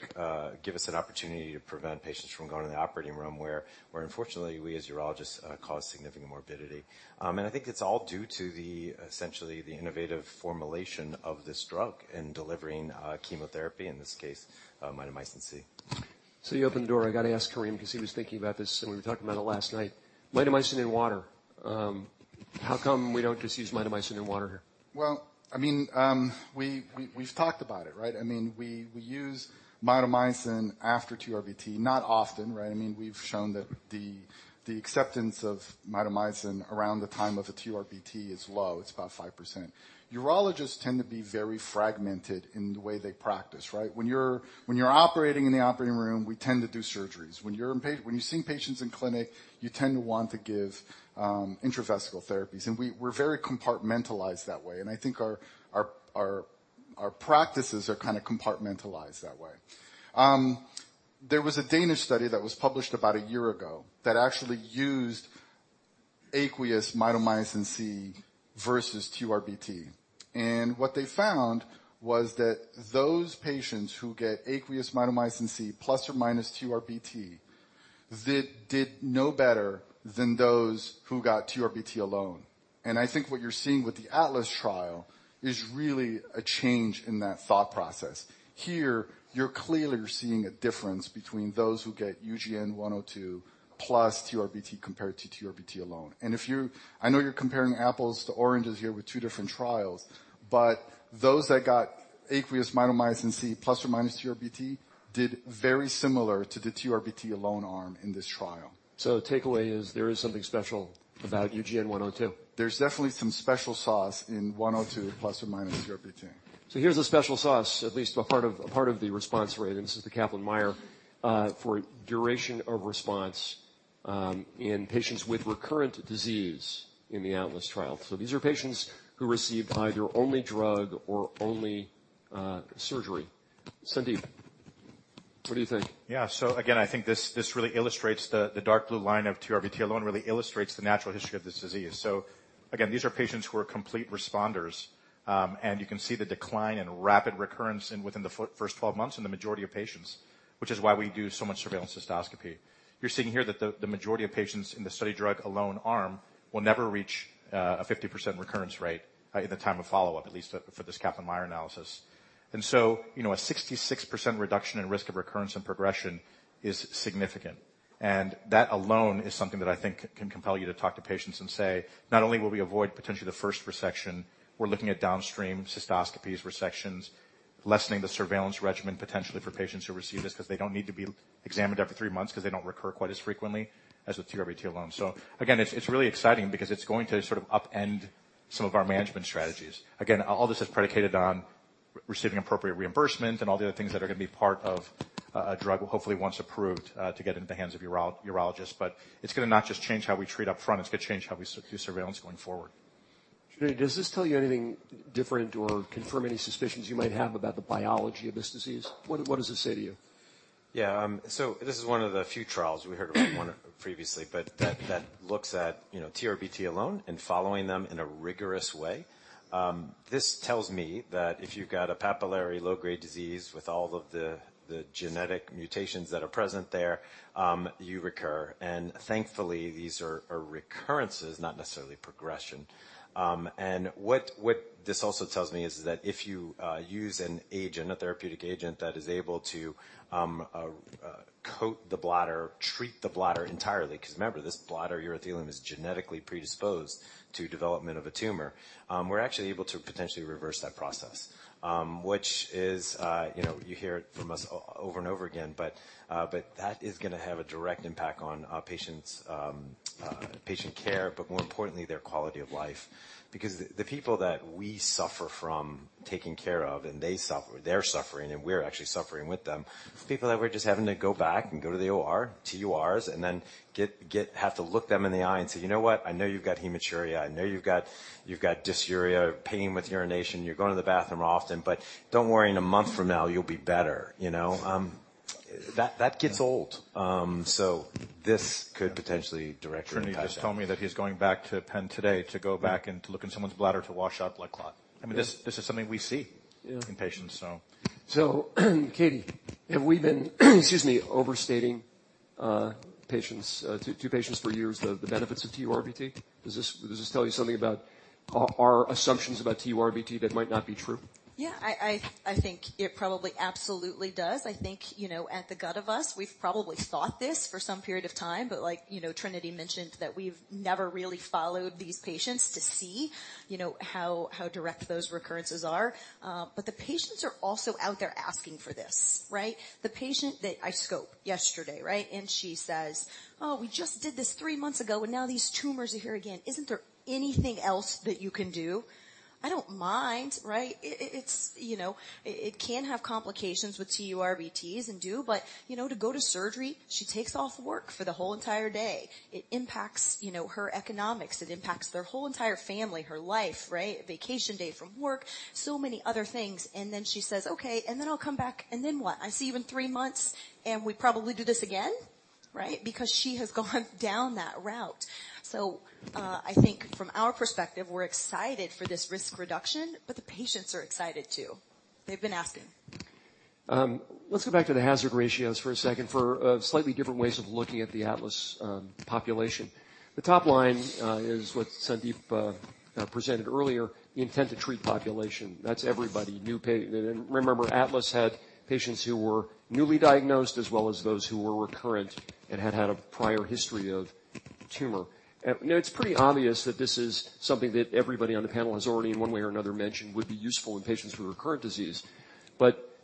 S7: give us an opportunity to prevent patients from going to the operating room, where, unfortunately, we, as urologists, cause significant morbidity. I think it's all due to the, essentially, the innovative formulation of this drug in delivering chemotherapy, in this case, Mitomycin-C.
S1: You opened the door. I gotta ask Karim because he was thinking about this, and we were talking about it last night. Mitomycin in water. How come we don't just use Mitomycin in water here?
S4: I mean, we've talked about it, right? I mean, we use Mitomycin after TURBT, not often, right? I mean, we've shown that the acceptance of Mitomycin around the time of a TURBT is low. It's about 5%. Urologists tend to be very fragmented in the way they practice, right? When you're operating in the operating room, we tend to do surgeries. When you're seeing patients in clinic, you tend to want to give intravesical therapies, and we're very compartmentalized that way, and I think our practices are kind of compartmentalized that way. There was a Danish study that was published about a year ago that actually used aqueous Mitomycin-C versus TURBT. What they found was that those patients who get aqueous Mitomycin-C plus or minus TURBT, they did no better than those who got TURBT alone. I think what you're seeing with the ATLAS trial is really a change in that thought process. Here, you're clearly seeing a difference between those who get UGN-102 + TURBT compared to TURBT alone. I know you're comparing apples to oranges here with two different trials, but those that got aqueous Mitomycin-C ± TURBT did very similar to the TURBT alone arm in this trial.
S1: The takeaway is there is something special about UGN-102.
S4: There's definitely some special sauce in UGN-102 ± TURBT.
S1: Here's a special sauce, at least a part of the response rate, and this is the Kaplan-Meier for duration of response, in patients with recurrent disease in the ATLAS trial. These are patients who received either only drug or only surgery. Sandip, what do you think?
S5: Yeah. Again, I think this really illustrates the dark blue line of TURBT alone, really illustrates the natural history of this disease. Again, these are patients who are complete responders, and you can see the decline in rapid recurrence within the first 12 months in the majority of patients, which is why we do so much surveillance cystoscopy. You're seeing here that the majority of patients in the study drug alone arm will never reach a 50% recurrence rate at the time of follow-up, at least for this Kaplan-Meier analysis. You know, a 66% reduction in risk of recurrence and progression is significant. That alone is something that I think can compel you to talk to patients and say, "Not only will we avoid potentially the first resection, we're looking at downstream cystoscopies, resections, lessening the surveillance regimen, potentially for patients who receive this because they don't need to be examined every three months, because they don't recur quite as frequently as with TURBT alone." Again, it's really exciting because it's going to sort of upend some of our management strategies. Again, all this is predicated on receiving appropriate reimbursement and all the other things that are going to be part of a drug, hopefully once approved, to get into the hands of urologists. It's going to not just change how we treat upfront, it's going to change how we do surveillance going forward.
S1: Trinity, does this tell you anything different or confirm any suspicions you might have about the biology of this disease? What, what does this say to you?
S7: Yeah, this is one of the few trials, we heard about one previously, but that looks at, you know, TURBT alone and following them in a rigorous way. This tells me that if you've got a papillary low-grade disease with all of the genetic mutations that are present there, you recur. Thankfully, these are recurrences, not necessarily progression. What this also tells me is that if you use an agent, a therapeutic agent, that is able to coat the bladder, treat the bladder entirely, because remember, this bladder urothelium is genetically predisposed to development of a tumor. We're actually able to potentially reverse that process, which is, you know, you hear it from us over and over again, that is going to have a direct impact on patients, patient care, but more importantly, their quality of life. The people that we suffer from taking care of and they suffer, they're suffering, and we're actually suffering with them, people that we're just having to go back and go to the OR, TURs, and then get. Have to look them in the eye and say, "You know what? I know you've got hematuria. I know you've got dysuria, pain with urination. You're going to the bathroom often, but don't worry, in a month from now, you'll be better." You know, that gets old. This could potentially directly impact-
S5: You just told me that he's going back to Penn today to go back and to look in someone's bladder to wash out blood clot. I mean, this is something we see...
S1: Yeah
S5: in patients, so.
S1: Katie, have we been, excuse me, overstating to patients for years, the benefits of TURBT? Does this tell you something about our assumptions about TURBT that might not be true?
S6: I think it probably absolutely does. I think, you know, at the gut of us, we've probably thought this for some period of time, like, you know, Trinity mentioned that we've never really followed these patients to see, you know, how direct those recurrences are. The patients are also out there asking for this, right? The patient that I scoped yesterday, right, she says, "Oh, we just did this three months ago, and now these tumors are here again. Isn't there anything else that you can do?" I don't mind, right? It's, you know, it can have complications with TURBTs and do, you know, to go to surgery, she takes off work for the whole entire day. It impacts, you know, her economics. It impacts their whole entire family, her life, right? A vacation day from work, so many other things. She says, "Okay, and then I'll come back, and then what? I see you in 3 months, and we probably do this again?" Right? Because she has gone down that route. I think from our perspective, we're excited for this risk reduction, but the patients are excited, too. They've been asking.
S1: Let's go back to the hazard ratios for a second, for slightly different ways of looking at the ATLAS population. The top line is what Sandip presented earlier, the intent to treat population. That's everybody. Remember, ATLAS had patients who were newly diagnosed as well as those who were recurrent and had had a prior history of tumor. You know, it's pretty obvious that this is something that everybody on the panel has already, in one way or another, mentioned would be useful in patients with recurrent disease.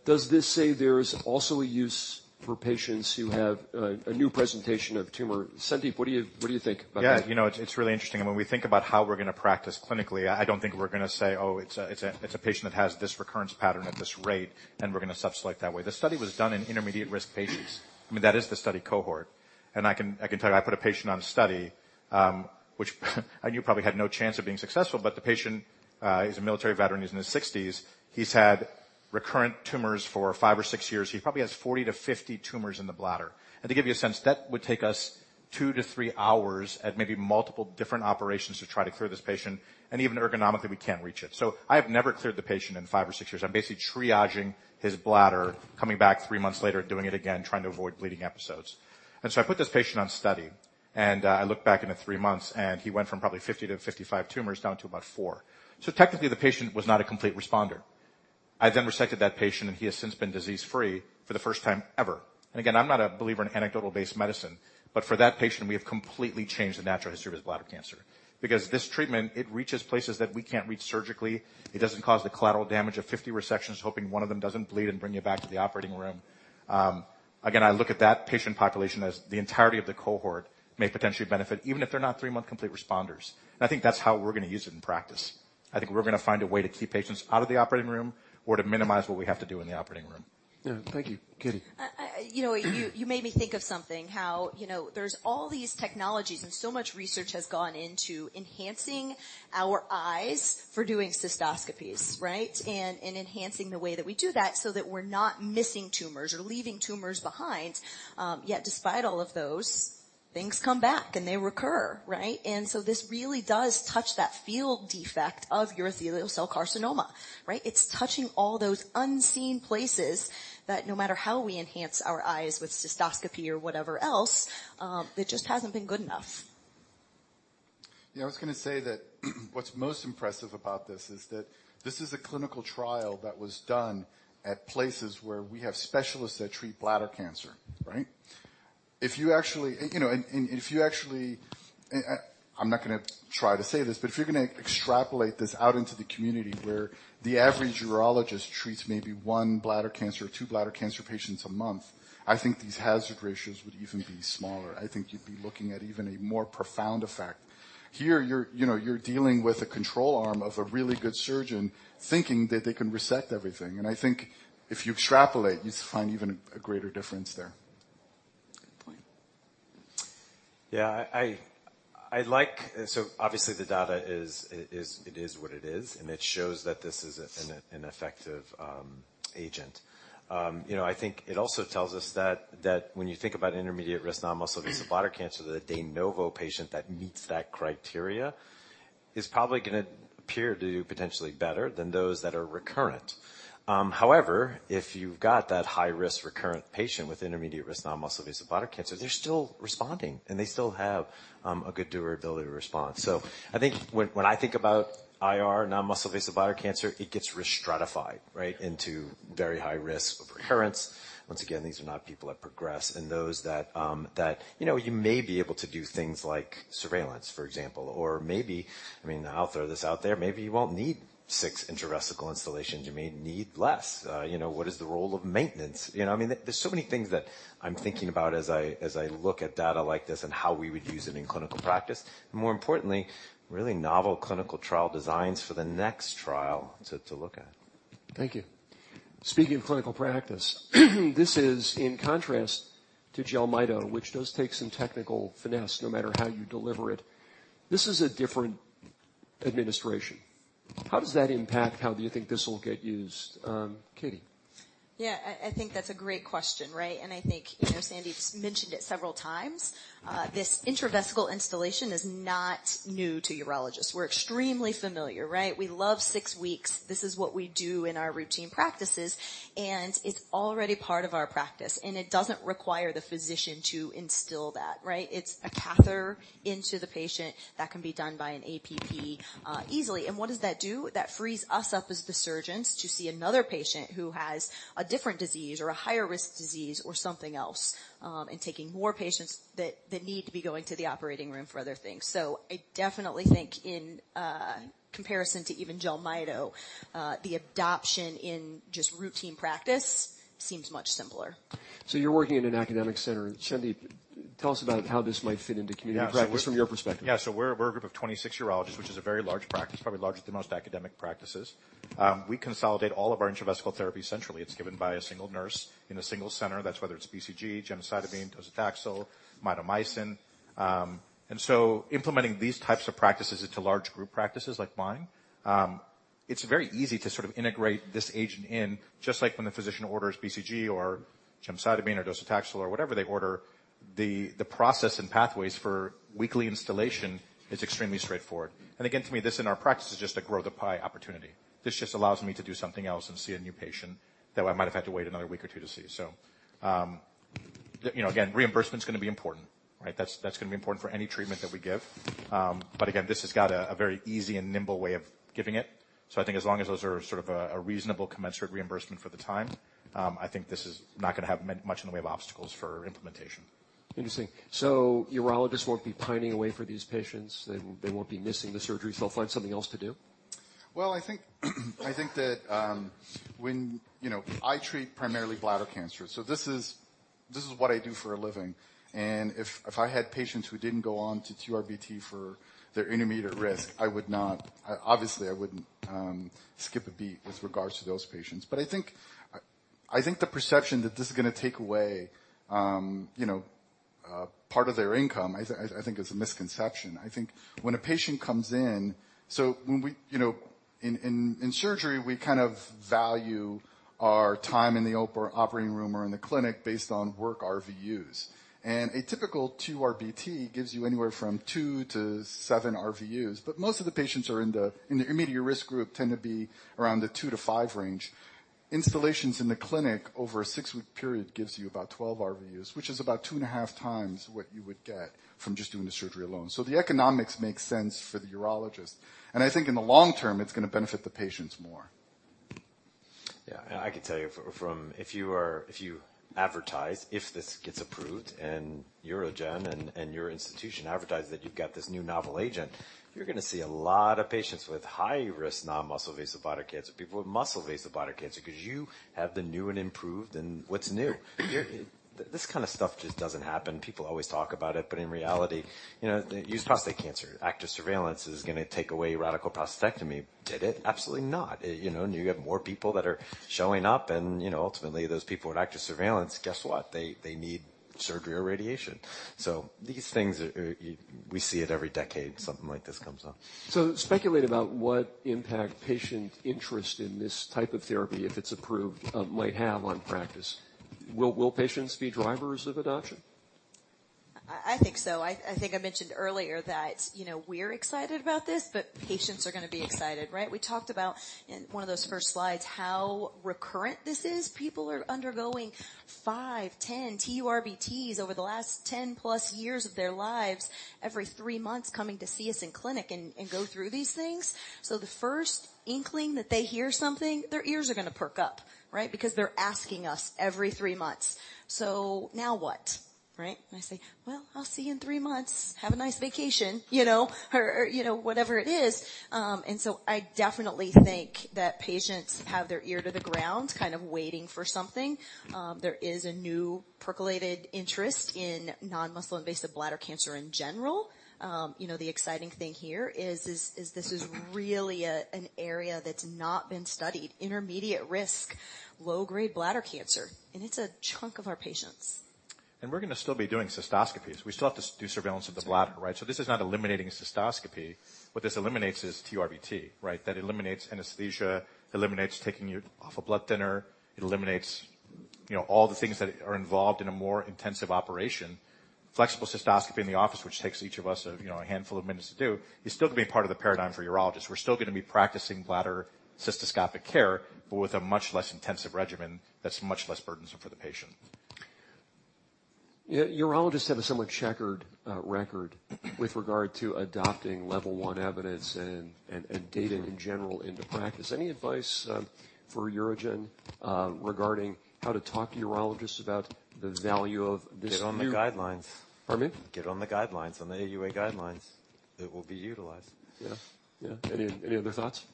S1: Does this say there's also a use for patients who have a new presentation of tumor? Sandip, what do you think about that?
S5: Yeah. You know, it's really interesting. When we think about how we're going to practice clinically, I don't think we're going to say: Oh, it's a patient that has this recurrence pattern at this rate, and we're going to select that way. The study was done in intermediate risk patients. I mean, that is the study cohort. I can tell you, I put a patient on a study, which I knew probably had no chance of being successful, but the patient, he's a military veteran, he's in his 60s. He's had recurrent tumors for five or six years. He probably has 40 to 50 tumors in the bladder. To give you a sense, that would take us two to three hours and maybe multiple different operations to try to clear this patient, and even ergonomically, we can't reach it. I have never cleared the patient in five or six years. I'm basically triaging his bladder, coming back three months later, doing it again, trying to avoid bleeding episodes. I put this patient on study, and I looked back into three months, and he went from probably 50 to 55 tumors down to about four. Technically, the patient was not a complete responder. I resected that patient, and he has since been disease-free for the first time ever. Again, I'm not a believer in anecdotal-based medicine, but for that patient, we have completely changed the natural history of his bladder cancer. Because this treatment, it reaches places that we can't reach surgically. It doesn't cause the collateral damage of 50 resections, hoping one of them doesn't bleed and bring you back to the operating room. Again, I look at that patient population as the entirety of the cohort may potentially benefit, even if they're not three-month complete responders. I think that's how we're gonna use it in practice. I think we're gonna find a way to keep patients out of the operating room or to minimize what we have to do in the operating room.
S1: Yeah. Thank you. Katie?
S6: I, you know, you made me think of something, how, you know, there's all these technologies, so much research has gone into enhancing our eyes for doing cystoscopies, right? Enhancing the way that we do that so that we're not missing tumors or leaving tumors behind. Yet, despite all of those, things come back, and they recur, right? This really does touch that field defect of urothelial cell carcinoma, right? It's touching all those unseen places that no matter how we enhance our eyes with cystoscopy or whatever else, it just hasn't been good enough.
S4: Yeah, I was gonna say that, what's most impressive about this is that this is a clinical trial that was done at places where we have specialists that treat bladder cancer, right? If you actually, you know, I'm not gonna try to say this, but if you're gonna extrapolate this out into the community where the average urologist treats maybe one bladder cancer or two bladder cancer patients a month, I think these hazard ratios would even be smaller. I think you'd be looking at even a more profound effect. Here, you're, you know, you're dealing with a control arm of a really good surgeon thinking that they can resect everything, and I think if you extrapolate, you'd find even a greater difference there.
S1: Good point.
S7: I'd like Obviously, the data is what it is, and it shows that this is an effective agent. You know, I think it also tells us that when you think about intermediate-risk non-muscle-invasive bladder cancer, the de novo patient that meets that criteria is probably gonna appear to do potentially better than those that are recurrent. However, if you've got that high-risk recurrent patient with intermediate-risk non-muscle-invasive bladder cancer, they're still responding, and they still have a good durability response. I think when I think about intermediate-risk non-muscle-invasive bladder cancer, it gets restratified, right, into very high risk of recurrence. Once again, these are not people that progress and those that, that, you know, you may be able to do things like surveillance, for example, or maybe, I mean, I'll throw this out there, maybe you won't need six intravesical installations. You may need less. You know, what is the role of maintenance? You know, I mean, there's so many things that I'm thinking about as I, as I look at data like this and how we would use it in clinical practice. More importantly, really novel clinical trial designs for the next trial to look at.
S1: Thank you. Speaking of clinical practice, this is in contrast to JELMYTO, which does take some technical finesse no matter how you deliver it. This is a different administration. How does that impact how do you think this will get used, Katie?
S6: I think that's a great question, right? I think, you know, Sandip's mentioned it several times. This intravesical installation is not new to urologists. We're extremely familiar, right? We love six weeks. This is what we do in our routine practices, and it's already part of our practice, and it doesn't require the physician to instill that, right? It's a catheter into the patient that can be done by an APP easily. What does that do? That frees us up as the surgeons to see another patient who has a different disease or a higher-risk disease or something else, and taking more patients that need to be going to the operating room for other things. I definitely think in comparison to even JELMYTO, the adoption in just routine practice seems much simpler.
S1: You're working in an academic center. Sandip, tell us about how this might fit into community practice from your perspective.
S5: Yeah, we're a group of 26 urologists, which is a very large practice, probably larger than most academic practices. We consolidate all of our intravesical therapy centrally. It's given by a single nurse in a single center. That's whether it's BCG, gemcitabine, docetaxel, Mitomycin. Implementing these types of practices into large group practices like mine, it's very easy to sort of integrate this agent in, just like when the physician orders BCG or gemcitabine or docetaxel or whatever they order, the process and pathways for weekly installation is extremely straightforward. Again, to me, this in our practice, is just a grow-the-pie opportunity. This just allows me to do something else and see a new patient, though I might have had to wait another week or two to see. You know, again, reimbursement's gonna be important, right? That's gonna be important for any treatment that we give. But again, this has got a very easy and nimble way of giving it. I think as long as those are sort of a reasonable commensurate reimbursement for the time, I think this is not gonna have much in the way of obstacles for implementation.
S1: Interesting. Urologists won't be pining away for these patients. They won't be missing the surgery, so they'll find something else to do?
S4: Well, I think that, you know, I treat primarily bladder cancer, so this is what I do for a living. If I had patients who didn't go on to TURBT for their intermediate-risk, obviously, I wouldn't skip a beat with regards to those patients. I think the perception that this is going to take away, you know, part of their income, I think it's a misconception. I think when a patient comes in. When we, you know, in surgery, we kind of value our time in the operating room or in the clinic based on work RVUs. A typical TURBT gives you anywhere from two to seven RVUs. Most of the patients are in the intermediate risk group, tend to be around the two to five range. Installations in the clinic over a six-week period gives you about 12 RVUs, which is about two and a half times what you would get from just doing the surgery alone. The economics makes sense for the urologist, and I think in the long term, it's going to benefit the patients more.
S7: Yeah, I can tell you from... If you are, if you advertise, if this gets approved and UroGen and your institution advertise that you've got this new novel agent, you're going to see a lot of patients with high-risk non-muscle invasive bladder cancer, people with muscle invasive bladder cancer, because you have the new and improved and what's new? This kind of stuff just doesn't happen. People always talk about it, but in reality, you know, use prostate cancer. active surveillance is going to take away radical prostatectomy. Did it? Absolutely not. You know, you have more people that are showing up and, you know, ultimately, those people in active surveillance, guess what? They need surgery or radiation. These things are, we see it every decade, something like this comes up.
S1: Speculate about what impact patient interest in this type of therapy, if it's approved, might have on practice. Will patients be drivers of adoption?
S6: I think so. I think I mentioned earlier that, you know, we're excited about this. Patients are going to be excited, right? We talked about in one of those first slides, how recurrent this is. People are undergoing five, 10 TURBTs over the last 10 plus years of their lives, every three months, coming to see us in clinic and go through these things. The first inkling that they hear something, their ears are going to perk up, right? Because they're asking us every three months, "So now what?" Right? I say, "Well, I'll see you in three months. Have a nice vacation." You know, or you know, whatever it is. I definitely think that patients have their ear to the ground, kind of waiting for something. There is a new percolated interest in non-muscle invasive bladder cancer in general. You know, the exciting thing here is this is really an area that's not been studied, intermediate risk, low-grade bladder cancer, and it's a chunk of our patients.
S7: We're going to still be doing cystoscopies. We still have to do surveillance of the bladder, right? This is not eliminating cystoscopy. What this eliminates is TURBT, right? That eliminates anesthesia, eliminates taking you off a blood thinner. It eliminates, you know, all the things that are involved in a more intensive operation. Flexible cystoscopy in the office, which takes each of us, you know, a handful of minutes to do, is still going to be part of the paradigm for urologists. We're still going to be practicing bladder cystoscopic care, but with a much less intensive regimen that's much less burdensome for the patient.
S1: Urologists have a somewhat checkered record with regard to adopting level one evidence and data in general into practice. Any advice for UroGen regarding how to talk to urologists about the value of this new-.
S7: Get on the guidelines.
S1: Pardon me?
S7: Get on the guidelines, on the AUA guidelines. It will be utilized.
S1: Yeah. Any other thoughts?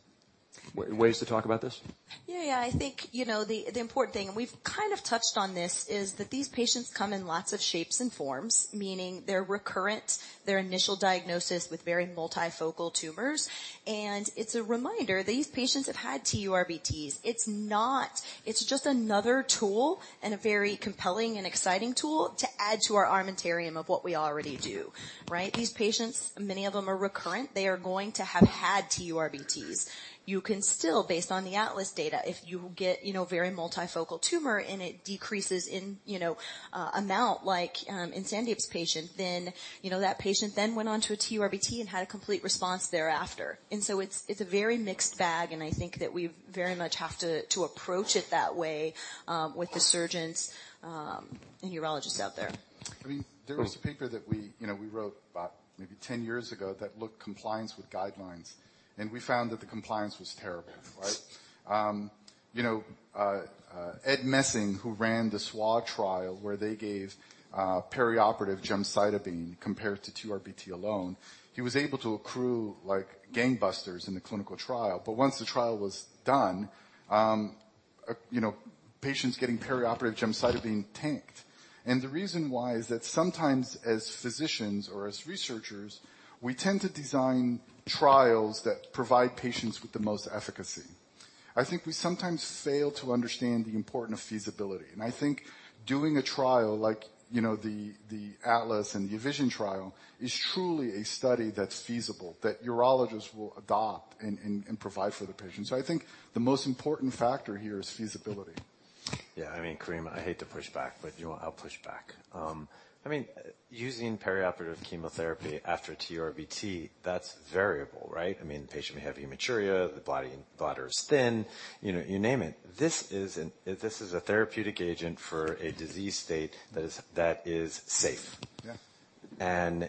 S1: ways to talk about this.
S6: Yeah, yeah. I think, you know, the important thing, and we've kind of touched on this, is that these patients come in lots of shapes and forms, meaning they're recurrent, their initial diagnosis with very multifocal tumors. It's a reminder that these patients have had TURBTs. It's just another tool and a very compelling and exciting tool to add to our armamentarium of what we already do, right? These patients, many of them are recurrent. They are going to have had TURBTs. You can still, based on the ATLAS data, if you get, you know, a very multifocal tumor and it decreases in, you know, amount, like, in Sandip's patient, then you know, that patient then went on to a TURBT and had a complete response thereafter. It's a very mixed bag, and I think that we very much have to approach it that way, with the surgeons, and urologists out there.
S4: I mean, there was a paper that we, you know, we wrote about maybe 10 years ago that looked compliance with guidelines. We found that the compliance was terrible, right? You know, Ed Messing, who ran the SWOG trial, where they gave perioperative gemcitabine compared to TURBT alone, he was able to accrue, like, gangbusters in the clinical trial. Once the trial was done, you know, patients getting perioperative gemcitabine tanked. The reason why is that sometimes, as physicians or as researchers, we tend to design trials that provide patients with the most efficacy. I think we sometimes fail to understand the importance of feasibility. I think doing a trial like, you know, the ATLAS and the VISION trial is truly a study that's feasible, that urologists will adopt and provide for the patients. I think the most important factor here is feasibility.
S7: Yeah, I mean, Karim, I hate to push back, but, you know what? I'll push back. I mean, using perioperative chemotherapy after TURBT, that's variable, right? I mean, the patient may have hematuria, the body, bladder is thin, you know, you name it. This is a therapeutic agent for a disease state that is safe.
S4: Yeah.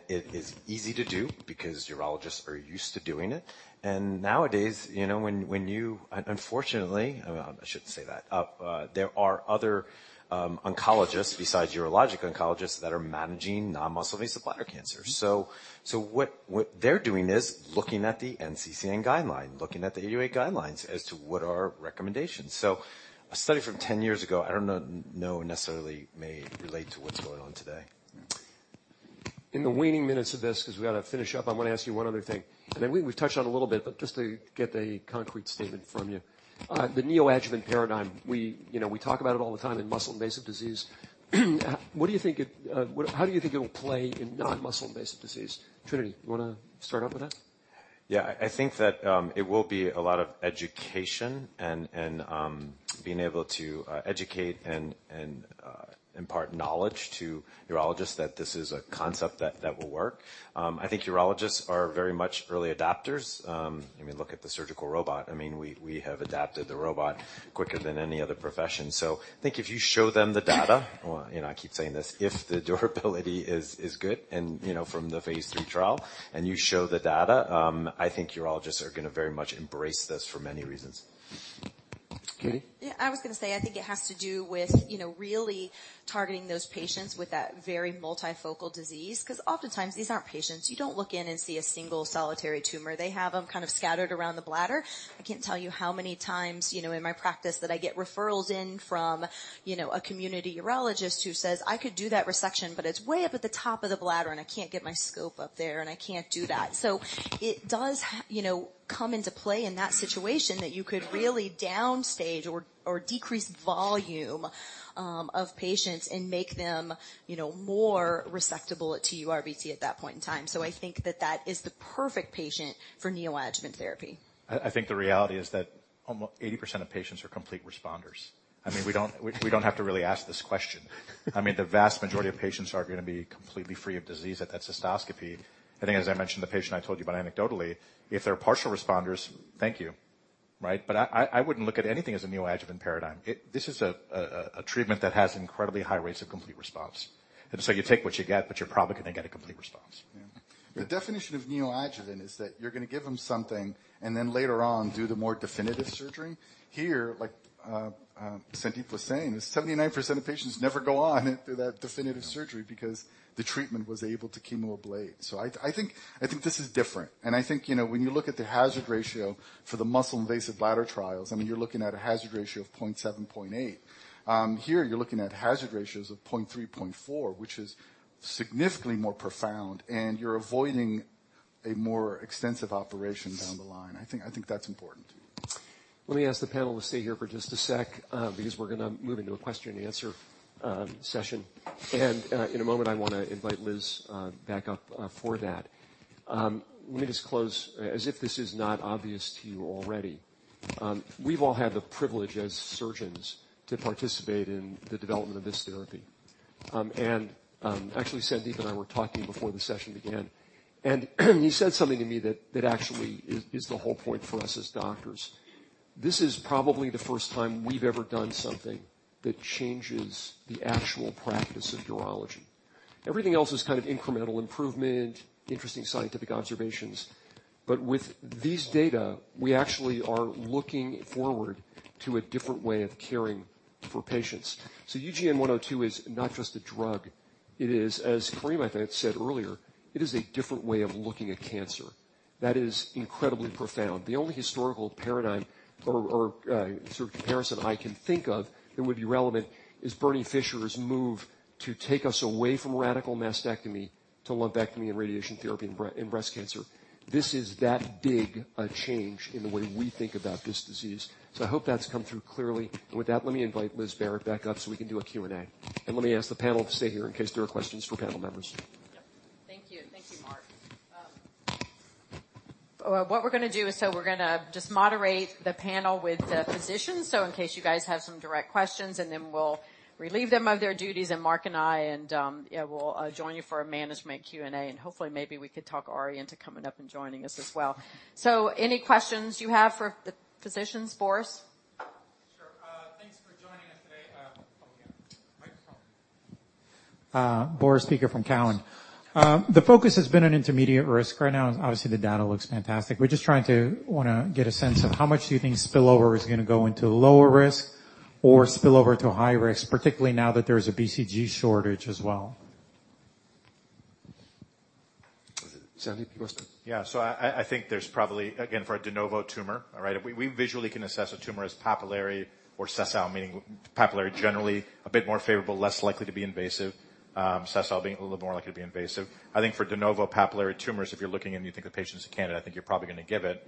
S7: It is easy to do because urologists are used to doing it. Nowadays, you know, unfortunately, I shouldn't say that. There are other oncologists besides urologic oncologists that are managing non-muscle invasive bladder cancer. What they're doing is looking at the NCCN guideline, looking at the AUA guidelines as to what are our recommendations. A study from 10 years ago, I don't know necessarily may relate to what's going on today.
S1: In the waning minutes of this, because we got to finish up, I'm going to ask you one other thing, and then we, we've touched on a little bit, but just to get a concrete statement from you. The neoadjuvant paradigm, we, you know, we talk about it all the time in muscle-invasive disease. What do you think it, how do you think it will play in non-muscle invasive disease? Trinity, you want to start off with that?
S7: Yeah, I think that, it will be a lot of education and being able to educate and impart knowledge to urologists, that this is a concept that will work. I think urologists are very much early adopters. I mean, look at the surgical robot. I mean, we have adapted the robot quicker than any other profession. I think if you show them the data, or, you know, I keep saying this, if the durability is good and, you know, from the Phase 3 trial and you show the data, I think urologists are going to very much embrace this for many reasons.
S1: Katie?
S6: I was going to say, I think it has to do with, you know, really targeting those patients with that very multifocal disease, because oftentimes, these aren't patients. You don't look in and see a single solitary tumor. They have them kind of scattered around the bladder. I can't tell you how many times, you know, in my practice that I get referrals in from, you know, a community urologist who says, "I could do that resection, but it's way up at the top of the bladder, and I can't get my scope up there, and I can't do that." It does, you know, come into play in that situation, that you could really downstage or decrease volume of patients and make them, you know, more resectable at TURBT at that point in time. I think that that is the perfect patient for neoadjuvant therapy.
S5: I think the reality is that 80% of patients are complete responders. I mean, we don't have to really ask this question. I mean, the vast majority of patients are going to be completely free of disease at that cystoscopy. I think, as I mentioned, the patient I told you about anecdotally, if they're partial responders, thank you. Right? I wouldn't look at anything as a neoadjuvant paradigm. This is a treatment that has incredibly high rates of complete response. You take what you get, but you're probably going to get a complete response.
S4: The definition of neoadjuvant is that you're going to give them something and then later on, do the more definitive surgery. Here, like Sandip Prasad was saying, is 79% of patients never go on to that definitive surgery because the treatment was able to chemoablate. I think this is different. I think, you know, when you look at the hazard ratio for the muscle-invasive bladder trials, I mean, you're looking at a hazard ratio of 0.7, 0.8. Here, you're looking at hazard ratios of 0.3, 0.4, which is significantly more profound, you're avoiding a more extensive operation down the line. I think that's important.
S1: Let me ask the panel to stay here for just a sec, because we're going to move into a question and answer session. In a moment, I want to invite Liz back up for that. Let me just close, as if this is not obvious to you already, we've all had the privilege as surgeons to participate in the development of this therapy. Actually, Sandip and I were talking before the session began, and he said something to me that actually is the whole point for us as doctors. This is probably the first time we've ever done something that changes the actual practice of urology. Everything else is kind of incremental improvement, interesting scientific observations. With these data, we actually are looking forward to a different way of caring for patients. UGN-102 is not just a drug. It is, as Karim, I think, said earlier, it is a different way of looking at cancer. That is incredibly profound. The only historical paradigm or sort of comparison I can think of that would be relevant is Bernard Fisher's move to take us away from radical mastectomy to lumpectomy and radiation therapy in breast cancer. This is that big a change in the way we think about this disease. I hope that's come through clearly. With that, let me invite Liz Barrett back up so we can do a Q&A. Let me ask the panel to stay here in case there are questions for panel members.
S2: Yeah. Thank you. Thank you, Mark. What we're going to do is, we're going to just moderate the panel with the physicians, so in case you guys have some direct questions, and then we'll relieve them of their duties, and Mark and I and, yeah, we'll join you for a management Q&A, and hopefully, maybe we could talk Arie into coming up and joining us as well. Any questions you have for the physicians for us?
S8: Sure. Thanks for joining us today. Boris Peaker from Cowen. The focus has been on intermediate risk. Right now, obviously, the data looks fantastic. We just want to get a sense of how much do you think spillover is going to go into lower risk or spillover to high risk, particularly now that there is a BCG shortage as well.
S1: Sandip, you want to-
S5: Yeah. I think there's probably. Again, for a de novo tumor, all right, we visually can assess a tumor as papillary or sessile, meaning papillary, generally a bit more favorable, less likely to be invasive, sessile being a little more likely to be invasive. I think for de novo papillary tumors, if you're looking and you think a patient's a candidate, I think you're probably going to give it.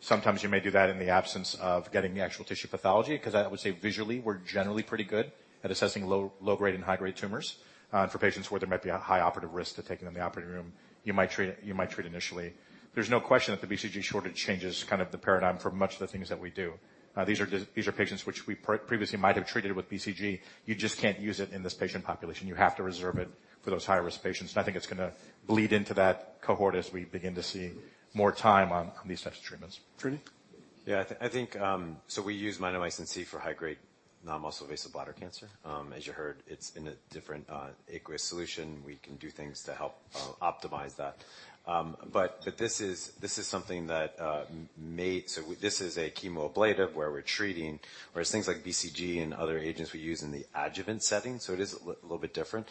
S5: Sometimes you may do that in the absence of getting the actual tissue pathology, 'cause I would say visually, we're generally pretty good at assessing low, low-grade and high-grade tumors. For patients where there might be a high operative risk to taking them in the operating room, you might treat initially. There's no question that the BCG shortage changes kind of the paradigm for much of the things that we do. These are just, these are patients which we previously might have treated with BCG. You just can't use it in this patient population. You have to reserve it for those high-risk patients, and I think it's going to bleed into that cohort as we begin to see more time on these types of treatments.
S1: Trinity?
S7: I think we use Mitomycin-C for high-grade non-muscle invasive bladder cancer. As you heard, it's in a different aqueous solution. We can do things to help optimize that. This is something that this is a chemoablative where we're treating, whereas things like BCG and other agents we use in the adjuvant setting, it is a little bit different.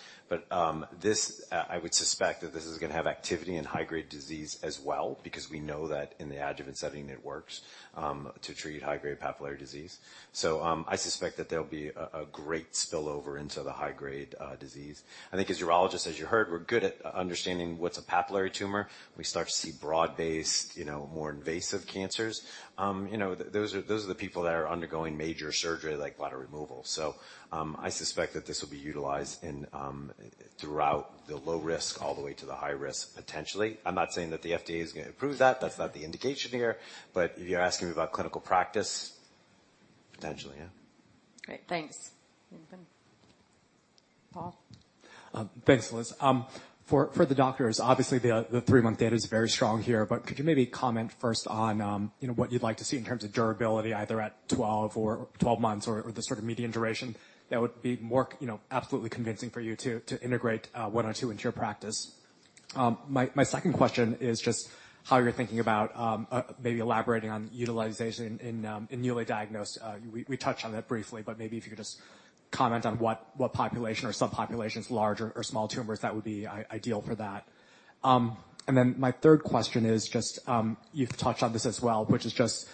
S7: This I would suspect that this is going to have activity in high-grade disease as well, because we know that in the adjuvant setting, it works to treat high-grade papillary disease. I suspect that there'll be a great spillover into the high-grade disease. I think as urologists, as you heard, we're good at understanding what's a papillary tumor. We start to see broad-based, you know, more invasive cancers. You know, those are the people that are undergoing major surgery, like bladder removal. I suspect that this will be utilized in throughout the low risk, all the way to the high risk, potentially. I'm not saying that the FDA is going to approve that. That's not the indication here. If you're asking me about clinical practice.
S8: Potentially, yeah.
S2: Great, thanks. Anything? Paul?
S9: Thanks, Liz. For the doctors, obviously, the three-month data is very strong here, but could you maybe comment first on, you know, what you'd like to see in terms of durability, either at 12 months or the sort of median duration that would be more, you know, absolutely convincing for you to integrate one or two into your practice? My second question is just how you're thinking about maybe elaborating on utilization in newly diagnosed. We touched on that briefly, but maybe if you could just comment on what population or subpopulations, large or small tumors, that would be ideal for that. My third question is just, you've touched on this as well, which is just,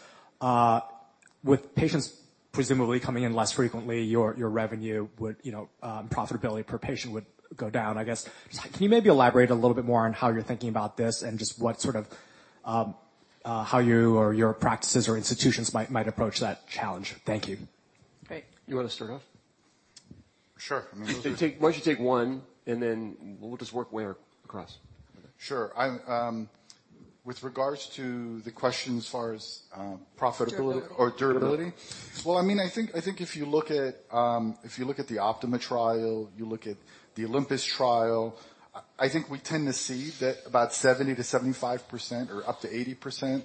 S9: with patients presumably coming in less frequently, your revenue would, you know, profitability per patient would go down. I guess, can you maybe elaborate a little bit more on how you're thinking about this and just what sort of, how you or your practices or institutions might approach that challenge? Thank you.
S2: Great.
S1: You wanna start off?
S4: Sure.
S1: Why don't you take one, and then we'll just work our way across.
S4: Sure. I'm, With regards to the question as far as, profitability-
S6: Durability.
S4: Durability? Well, I mean, I think if you look at, if you look at the Optima trial, you look at the OLYMPUS trial, I think we tend to see that about 70%-75% or up to 80%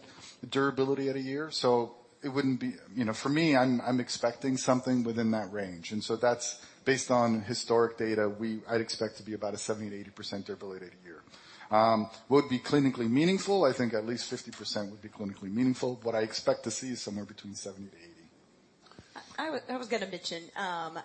S4: durability at a year. It wouldn't be. You know, for me, I'm expecting something within that range. That's based on historic data. I'd expect to be about a 70%-80% durability at a year. Would it be clinically meaningful? I think at least 50% would be clinically meaningful. What I expect to see is somewhere between 70%-80%.
S6: I was gonna mention,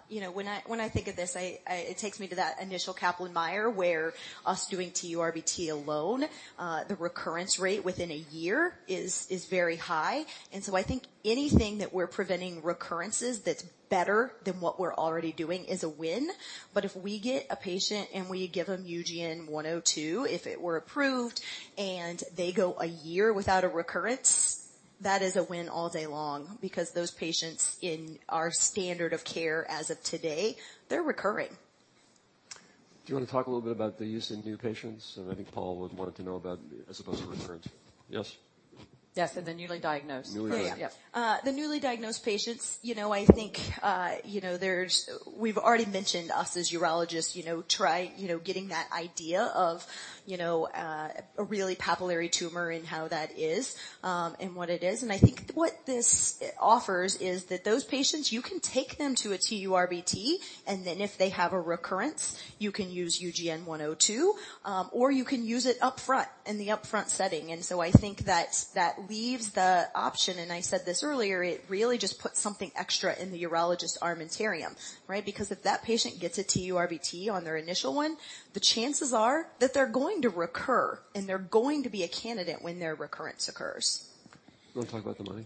S6: you know, when I, when I think of this, it takes me to that initial Kaplan-Meier, where us doing TURBT alone, the recurrence rate within a year is very high. I think anything that we're preventing recurrences that's better than what we're already doing is a win. If we get a patient, and we give them UGN-102, if it were approved, and they go a year without a recurrence, that is a win all day long because those patients in our standard of care as of today, they're recurring.
S1: Do you wanna talk a little bit about the use in new patients? I think Paul would have wanted to know about as opposed to recurrent. Yes.
S2: Yes, the newly diagnosed.
S1: Newly diagnosed.
S6: Yeah. The newly diagnosed patients, you know, I think, you know, We've already mentioned us, as urologists, you know, try, you know, getting that idea of a really papillary tumor and how that is, and what it is. I think what this offers is that those patients, you can take them to a TURBT, and then if they have a recurrence, you can use UGN-102, or you can use it upfront, in the upfront setting. I think that that leaves the option, and I said this earlier, it really just puts something extra in the urologist's armamentarium, right? Because if that patient gets a TURBT on their initial one, the chances are that they're going to recur, and they're going to be a candidate when their recurrence occurs.
S1: You wanna talk about the money?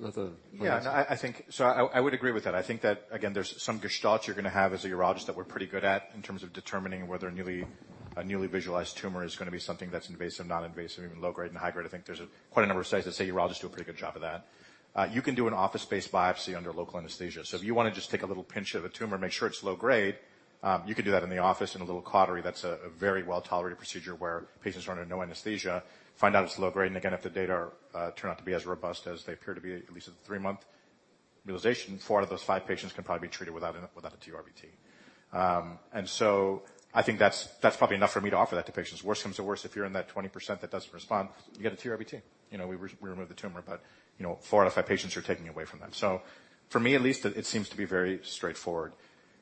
S1: About the-
S5: Yeah, no, I think I would agree with that. I think that, again, there's some gestalt you're gonna have as a urologist that we're pretty good at in terms of determining whether a newly visualized tumor is gonna be something that's invasive, non-invasive, even low grade and high grade. I think there's a quite a number of studies that say urologists do a pretty good job of that. You can do an office-based biopsy under local anesthesia. If you wanna just take a little pinch of a tumor, make sure it's low grade, you could do that in the office in a little cautery. That's a very well-tolerated procedure where patients are under no anesthesia, find out it's low grade. Again, if the data are, turn out to be as robust as they appear to be, at least a three-month realization, four out of those five patients can probably be treated without a TURBT. I think that's probably enough for me to offer that to patients. Worse comes to worse, if you're in that 20% that doesn't respond, you get a TURBT. You know, we remove the tumor, but, you know, four out of five patients, you're taking away from them. For me, at least, it seems to be very straightforward.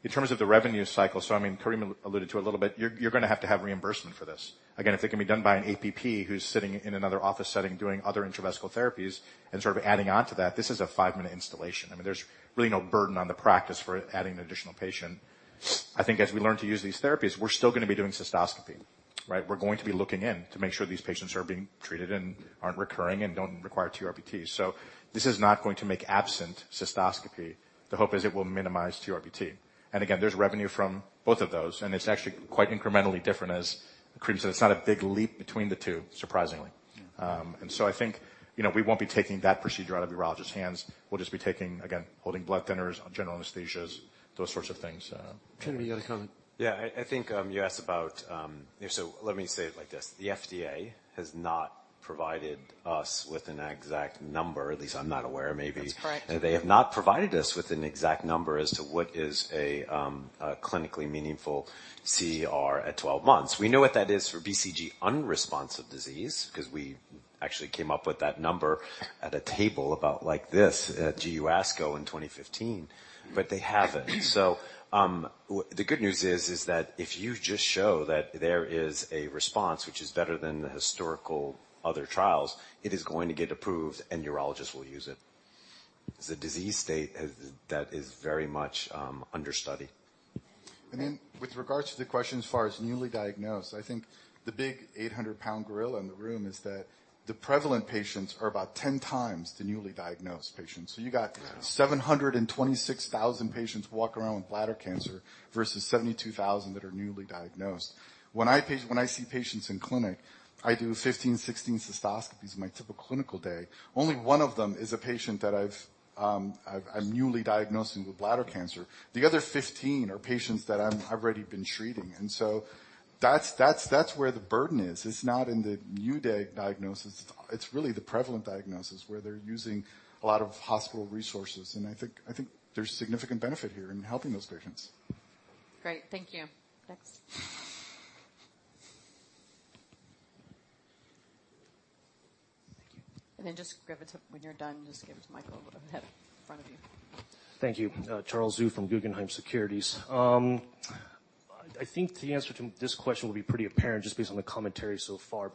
S5: In terms of the revenue cycle, I mean, Karim alluded to a little bit, you're gonna have to have reimbursement for this. If it can be done by an APP who's sitting in another office setting, doing other intravesical therapies and sort of adding on to that, this is a five-minute installation. I mean, there's really no burden on the practice for adding an additional patient. I think as we learn to use these therapies, we're still gonna be doing cystoscopy, right? We're going to be looking in to make sure these patients are being treated and aren't recurring and don't require TURBT. This is not going to make absent cystoscopy. The hope is it will minimize TURBT. There's revenue from both of those, and it's actually quite incrementally different, as Karim said. It's not a big leap between the two, surprisingly. I think, you know, we won't be taking that procedure out of urologist's hands. We'll just be taking, again, holding blood thinners, general anesthesias, those sorts of things.
S1: Karim, you had a comment?
S4: Yeah, I think, Let me say it like this: the FDA has not provided us with an exact number, at least I'm not aware, maybe.
S8: That's correct.
S4: They have not provided us with an exact number as to what is a, a clinically meaningful CR at 12 months. We know what that is for BCG unresponsive disease, 'cause we actually came up with that number at a table about like this at GU ASCO in 2015, but they haven't. The good news is, is that if you just show that there is a response which is better than the historical other trials, it is going to get approved, and urologists will use it. It's a disease state that is very much, under study. I mean, with regards to the question as far as newly diagnosed, I think the big 800-pound gorilla in the room is that the prevalent patients are about 10 times the newly diagnosed patients. You got 726,000 patients walking around with bladder cancer versus 72,000 that are newly diagnosed. When I see patients in clinic, I do 15, 16 cystoscopies in my typical clinical day. Only one of them is a patient that I'm newly diagnosing with bladder cancer. The other 15 are patients that I've already been treating, that's where the burden is. It's not in the new diagnosis. It's really the prevalent diagnosis, where they're using a lot of hospital resources, I think there's significant benefit here in helping those patients.
S2: Great. Thank you. Next. Thank you. Then just grab it when you're done, just give the mic a little bit ahead in front of you.
S10: Thank you. Charles Zhu from Guggenheim Securities. I think the answer to this question will be pretty apparent just based on the commentary so far.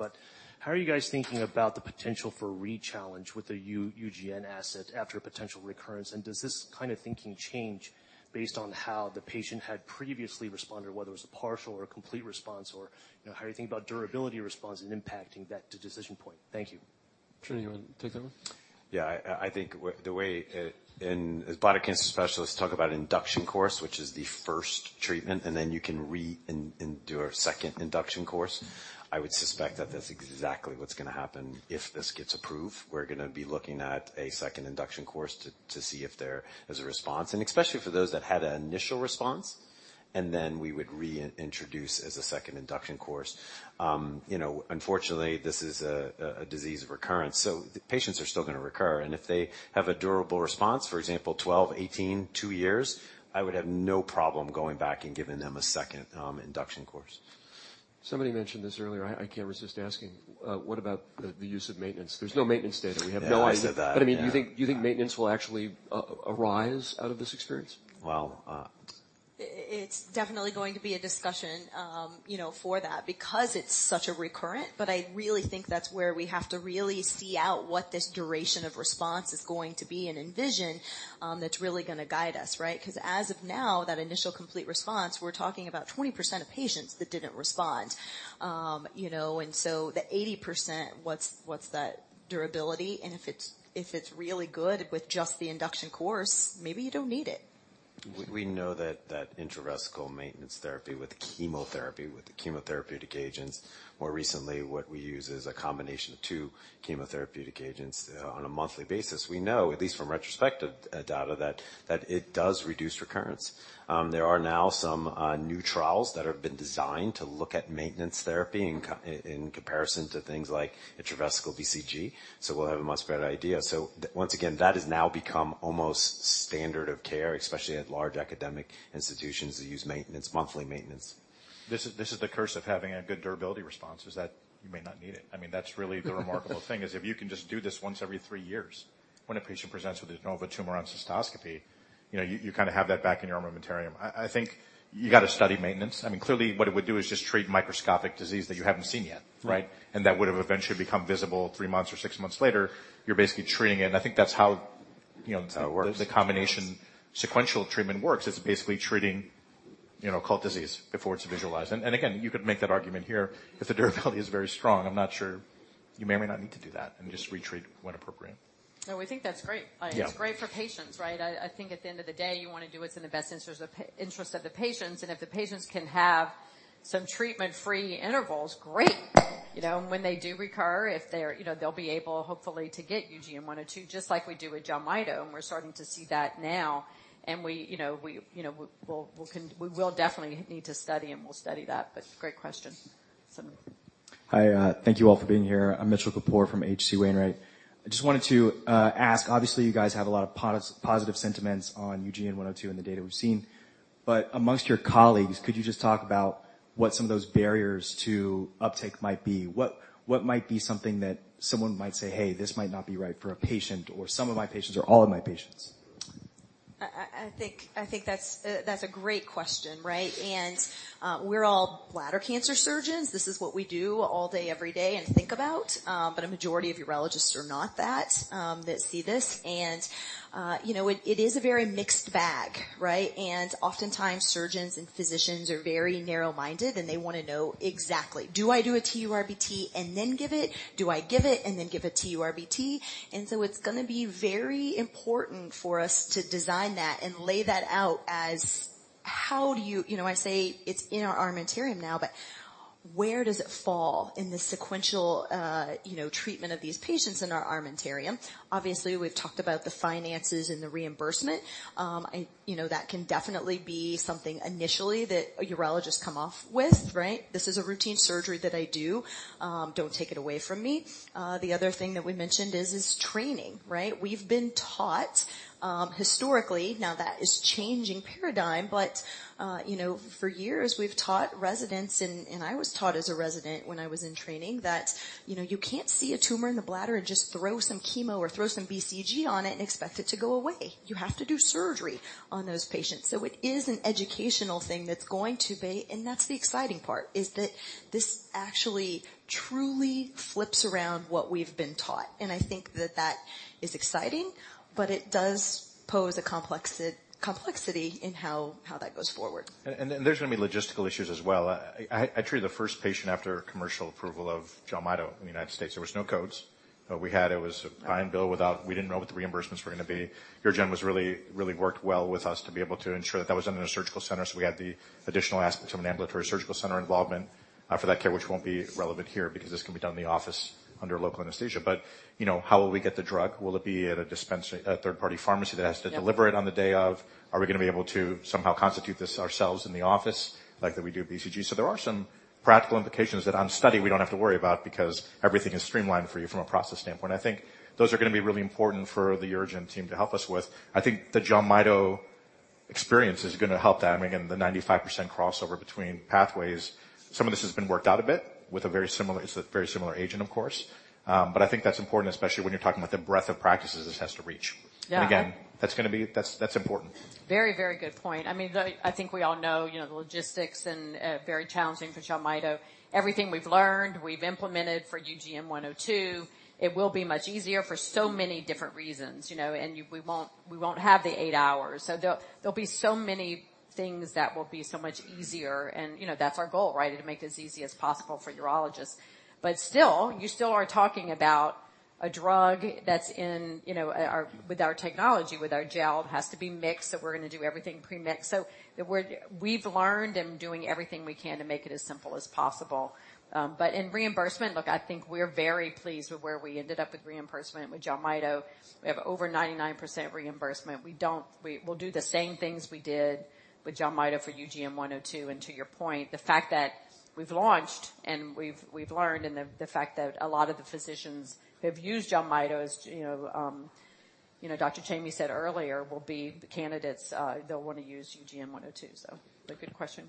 S10: How are you guys thinking about the potential for re-challenge with the UGN asset after a potential recurrence? Does this kind of thinking change based on how the patient had previously responded, whether it was a partial or a complete response? You know, how are you thinking about durability response and impacting that decision point? Thank you.
S1: Trinity, you want to take that one?
S7: Yeah, I, I think the way, and as bladder cancer specialists talk about induction course, which is the first treatment, and then you can do a second induction course. I would suspect that that's exactly what's going to happen if this gets approved. We're going to be looking at a second induction course to see if there is a response, and especially for those that had an initial response, and then we would reintroduce as a second induction course. You know, unfortunately, this is a disease of recurrence, so the patients are still going to recur. If they have a durable response, for example, 12, 18, 2 years, I would have no problem going back and giving them a second induction course.
S1: Somebody mentioned this earlier. I can't resist asking, what about the use of maintenance? There's no maintenance data. We have no idea.
S7: Yeah, I said that.
S1: I mean, do you think maintenance will actually arise out of this experience?
S7: Well.
S6: It's definitely going to be a discussion, you know, for that, because it's such a recurrent, but I really think that's where we have to really see out what this duration of response is going to be and ENVISION, that's really going to guide us, right? 'Cause as of now, that initial complete response, we're talking about 20% of patients that didn't respond. You know, and so the 80%, what's that durability? And if it's really good with just the induction course, maybe you don't need it.
S7: We know that intravesical maintenance therapy with chemotherapy, with the chemotherapeutic agents, more recently, what we use is a combination of two chemotherapeutic agents on a monthly basis. We know, at least from retrospective data, that it does reduce recurrence. There are now some new trials that have been designed to look at maintenance therapy in comparison to things like intravesical BCG, so we'll have a much better idea. Once again, that has now become almost standard of care, especially at large academic institutions, that use maintenance, monthly maintenance.
S5: This is the curse of having a good durability response, is that you may not need it. I mean, that's really the remarkable thing is if you can just do this once every three years, when a patient presents with a nova tumor on cystoscopy, you know, you kind of have that back in your armamentarium. I think you got to study maintenance. I mean, clearly, what it would do is just treat microscopic disease that you haven't seen yet, right?
S7: Mm-hmm.
S5: That would have eventually become visible three months or six months later. You're basically treating it, and I think that's how, you know.
S7: It works.
S5: the combination, sequential treatment works. It's basically treating, you know, occult disease before it's visualized. Again, you could make that argument here. If the durability is very strong, I'm not sure. You may or may not need to do that and just retreat when appropriate.
S2: Well, we think that's great.
S5: Yeah.
S2: It's great for patients, right? I think at the end of the day, you want to do what's in the best interest of the patients. If the patients can have some treatment-free intervals, great. You know, and when they do recur, if they're, you know, they'll be able, hopefully, to get UGN-102, just like we do with gemcitabine. We're starting to see that now, and we, you know, we will definitely need to study, and we'll study that. Great question. Sandip.
S11: Hi, thank you all for being here. I'm Mitchell Kapoor from H.C. Wainwright. I just wanted to ask, obviously, you guys have a lot of positive sentiments on UGN-102 and the data we've seen. Amongst your colleagues, could you just talk about what some of those barriers to uptake might be? What might be something that someone might say, "Hey, this might not be right for a patient, or some of my patients, or all of my patients?
S6: I think that's a great question, right? We're all bladder cancer surgeons. This is what we do all day, every day, and think about, but a majority of urologists are not that that see this. You know, it is a very mixed bag, right? Oftentimes, surgeons and physicians are very narrow-minded, and they want to know exactly: Do I do a TURBT and then give it? Do I give it and then give a TURBT? It's going to be very important for us to design that and lay that out as how do you. You know, I say it's in our armamentarium now, but where does it fall in the sequential, you know, treatment of these patients in our armamentarium? Obviously, we've talked about the finances and the reimbursement. I, you know, that can definitely be something initially that urologists come off with, right? "This is a routine surgery that I do. Don't take it away from me." The other thing that we mentioned is training, right? We've been taught, historically, now that is changing paradigm, but, you know, for years, we've taught residents, and I was taught as a resident when I was in training, that, you know, you can't see a tumor in the bladder and just throw some chemo or throw some BCG on it and expect it to go away. You have to do surgery on those patients. It is an educational thing that's going to be, and that's the exciting part, is that this actually truly flips around what we've been taught, and I think that that is exciting, but it does pose a complexity in how that goes forward.
S5: There's going to be logistical issues as well. I treated the first patient after commercial approval of gemcitabine in the United States. There was no codes. We didn't know what the reimbursements were going to be. UroGen was really worked well with us to be able to ensure that that was under the surgical center, we had the additional aspect of an ambulatory surgical center involvement for that care, which won't be relevant here because this can be done in the office under local anesthesia. You know, how will we get the drug? Will it be at a dispensary, a third-party pharmacy that has...
S6: Yeah...
S5: to deliver it on the day of? Are we going to be able to somehow constitute this ourselves in the office, like that we do BCG? There are practical implications that on study we don't have to worry about because everything is streamlined for you from a process standpoint. I think those are going to be really important for the UroGen team to help us with. I think the Gemcitabine experience is going to help that. I mean, again, the 95% crossover between pathways, some of this has been worked out a bit with a very similar agent, of course. I think that's important, especially when you're talking about the breadth of practices this has to reach.
S2: Yeah.
S5: That's important.
S2: Very, very good point. I mean, the, I think we all know, you know, the logistics and very challenging for Gemcitabine. Everything we've learned, we've implemented for UGN-102. It will be much easier for so many different reasons, you know, and we won't have the eight hours. There'll be so many things that will be so much easier and, you know, that's our goal, right? To make this easy as possible for urologists. Still, you still are talking about a drug that's in, you know, with our technology, with our gel. It has to be mixed, we're going to do everything pre-mix. We've learned and doing everything we can to make it as simple as possible. In reimbursement, look, I think we're very pleased with where we ended up with reimbursement with Gemcitabine. We have over 99% reimbursement. We'll do the same things we did with Gemcitabine for UGN-102. To your point, the fact that we've launched and we've learned, and the fact that a lot of the physicians who have used Gemcitabine, as, you know, you know, Dr. Chamie said earlier, will be the candidates, they'll want to use UGN-102. A good question,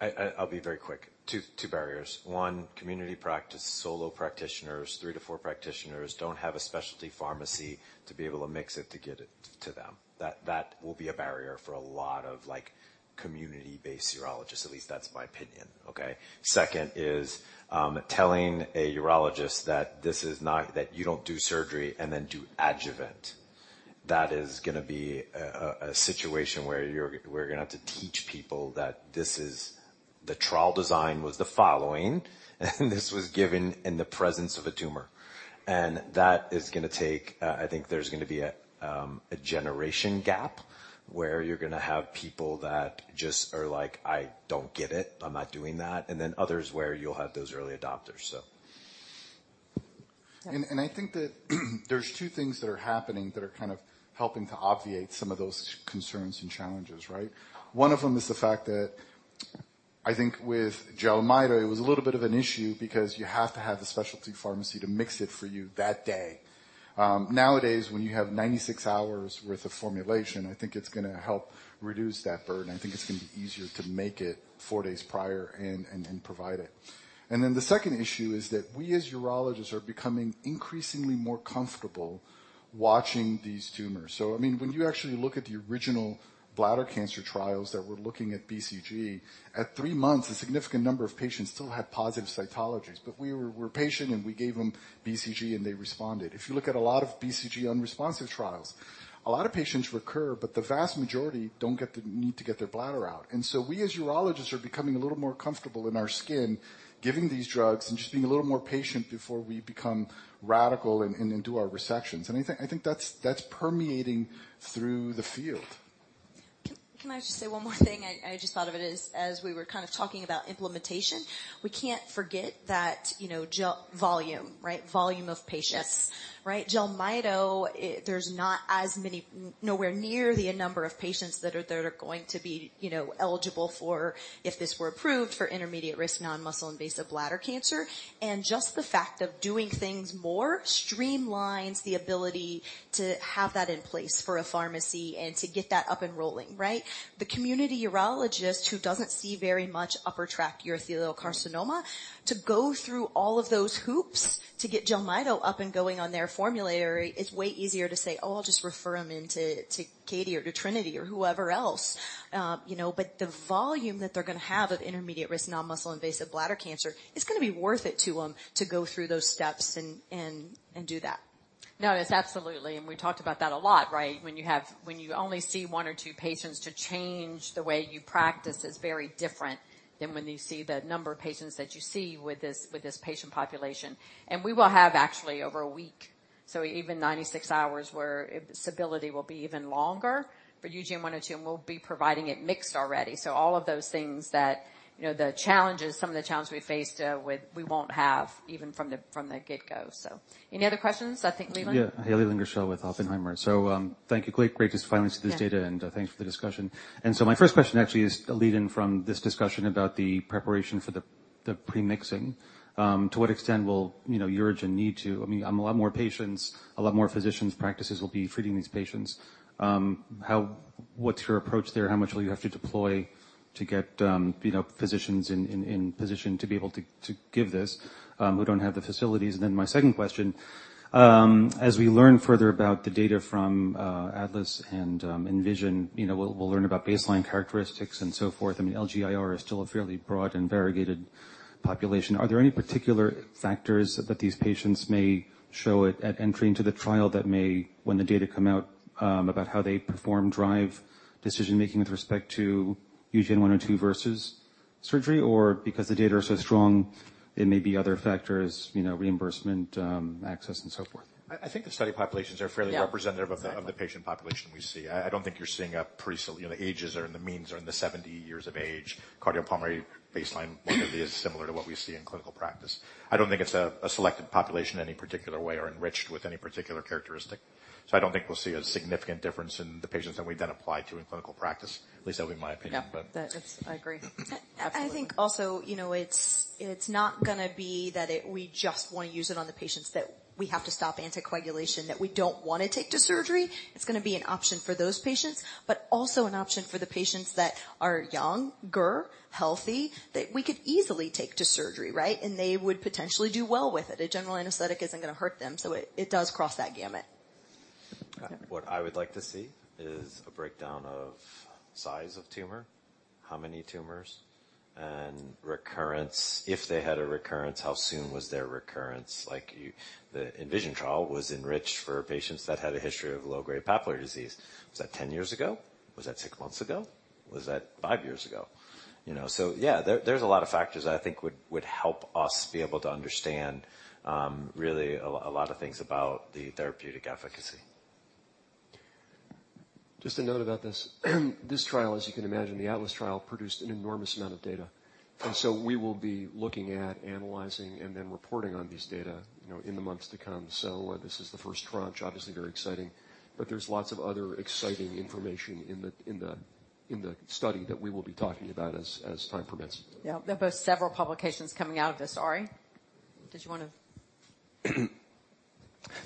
S2: Trinity.
S7: I'll be very quick. Two barriers. One, community practice, solo practitioners, three to four practitioners, don't have a specialty pharmacy to be able to mix it, to get it to them. That will be a barrier for a lot of like, community-based urologists. At least that's my opinion, okay? Second is, telling a urologist that this is that you don't do surgery and then do adjuvant. That is going to be a situation where we're going to have to teach people that this is, the trial design was the following, and this was given in the presence of a tumor. That is going to take. I think there's going to be a generation gap, where you're going to have people that just are like, "I don't get it. I'm not doing that." Others where you'll have those early adopters, so.
S2: Yeah.
S4: I think that there's two things that are happening that are kind of helping to obviate some of those concerns and challenges, right? One of them is the fact that I think with gemcitabine, it was a little bit of an issue because you have to have the specialty pharmacy to mix it for you that day. Nowadays, when you have 96 hours worth of formulation, I think it's going to help reduce that burden. I think it's going to be easier to make it four days prior and provide it. The second issue is that we, as urologists, are becoming increasingly more comfortable watching these tumors. I mean, when you actually look at the original bladder cancer trials, that we're looking at BCG, at three months, a significant number of patients still had positive cytologies, we were patient, and we gave them BCG, and they responded. If you look at a lot of BCG unresponsive trials, a lot of patients recur, but the vast majority don't get the need to get their bladder out. we, as urologists, are becoming a little more comfortable in our skin, giving these drugs and just being a little more patient before we become radical and do our resections. I think that's, that's permeating through the field.
S6: Can I just say one more thing? I just thought of it as we were kind of talking about implementation. We can't forget that, you know, gel, volume, right? Volume of patients.
S2: Yes.
S6: Right? Gemcitabine, there's not as many nowhere near the number of patients that are going to be, you know, eligible for if this were approved for intermediate-risk non-muscle invasive bladder cancer. Just the fact of doing things more streamlines the ability to have that in place for a pharmacy and to get that up and rolling, right? The community urologist, who doesn't see very much upper tract urothelial carcinoma, to go through all of those hoops to get Gemcitabine up and going on their formulary, it's way easier to say: "Oh, I'll just refer them into Katie or to Trinity or whoever else," you know. The volume that they're going to have of intermediate-risk non-muscle invasive bladder cancer is going to be worth it to them to go through those steps and do that.
S2: No, it's absolutely, and we talked about that a lot, right? When you only see one or two patients, to change the way you practice is very different than when you see the number of patients that you see with this patient population. We will have actually over a week, so even 96 hours, where stability will be even longer for UGN-102, and we'll be providing it mixed already. All of those things that, you know, the challenges, some of the challenges we faced, we won't have even from the, from the get-go. Any other questions? I think Leland.
S12: Yeah. Leland Gershell with Oppenheimer. thank you. Great to finally see this data-
S2: Yeah.
S12: thanks for the discussion. My first question actually is a lead in from this discussion about the preparation for the premixing. To what extent will, you know, UroGen need to? I mean, a lot more patients, a lot more physicians practices will be treating these patients. What's your approach there? How much will you have to deploy to get, you know, physicians in position to be able to give this who don't have the facilities? My second question, as we learn further about the data from ATLAS and ENVISION, you know, we'll learn about baseline characteristics and so forth. I mean, LGIR is still a fairly broad and variegated population. Are there any particular factors that these patients may show at entry into the trial that may, when the data come out, about how they perform, drive decision making with respect to UGN-102 versus surgery? Because the data are so strong, it may be other factors, you know, reimbursement, access, and so forth.
S5: I think the study populations are.
S2: Yeah.
S5: representative of the patient population we see. I don't think you're seeing a pretty. The ages are in the means, are in the 70 years of age. Cardiopulmonary baseline is similar to what we see in clinical practice. I don't think it's a selected population in any particular way or enriched with any particular characteristic. I don't think we'll see a significant difference in the patients that we then apply to in clinical practice. At least that would be my opinion.
S2: Yeah, I agree. Absolutely.
S6: I think also, you know, it's not gonna be that we just wanna use it on the patients, that we have to stop anticoagulation, that we don't wanna take to surgery. It's gonna be an option for those patients, but also an option for the patients that are younger, healthy, that we could easily take to surgery, right? They would potentially do well with it. A general anesthetic isn't gonna hurt them. It does cross that gamut.
S12: Okay.
S2: Yeah.
S7: What I would like to see is a breakdown of size of tumor, how many tumors, and recurrence. If they had a recurrence, how soon was their recurrence? Like, the ENVISION trial was enriched for patients that had a history of low-grade papillary disease. Was that 10 years ago? Was that six months ago? Was that five years ago? You know, yeah, there's a lot of factors that I think would, would help us be able to understand, really a lot of things about the therapeutic efficacy.
S1: Just a note about this. This trial, as you can imagine, the ATLAS trial produced an enormous amount of data. We will be looking at analyzing and then reporting on these data, you know, in the months to come. This is the first tranche, obviously, very exciting, but there's lots of other exciting information in the study that we will be talking about as, as time permits.
S2: Yeah. There are several publications coming out of this. Arie, did you wanna-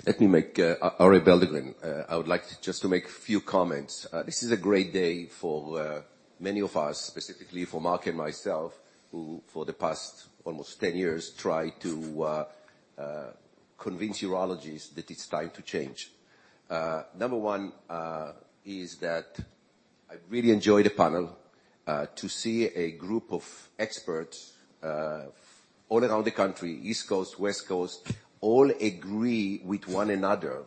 S13: Let me make Arie Belldegrun. I would like to just to make a few comments. This is a great day for many of us, specifically for Mark and myself, who for the past almost 10 years, tried to convince urologists that it's time to change. Number one, is that I really enjoyed the panel. To see a group of experts, all around the country, East Coast, West Coast, all agree with one another.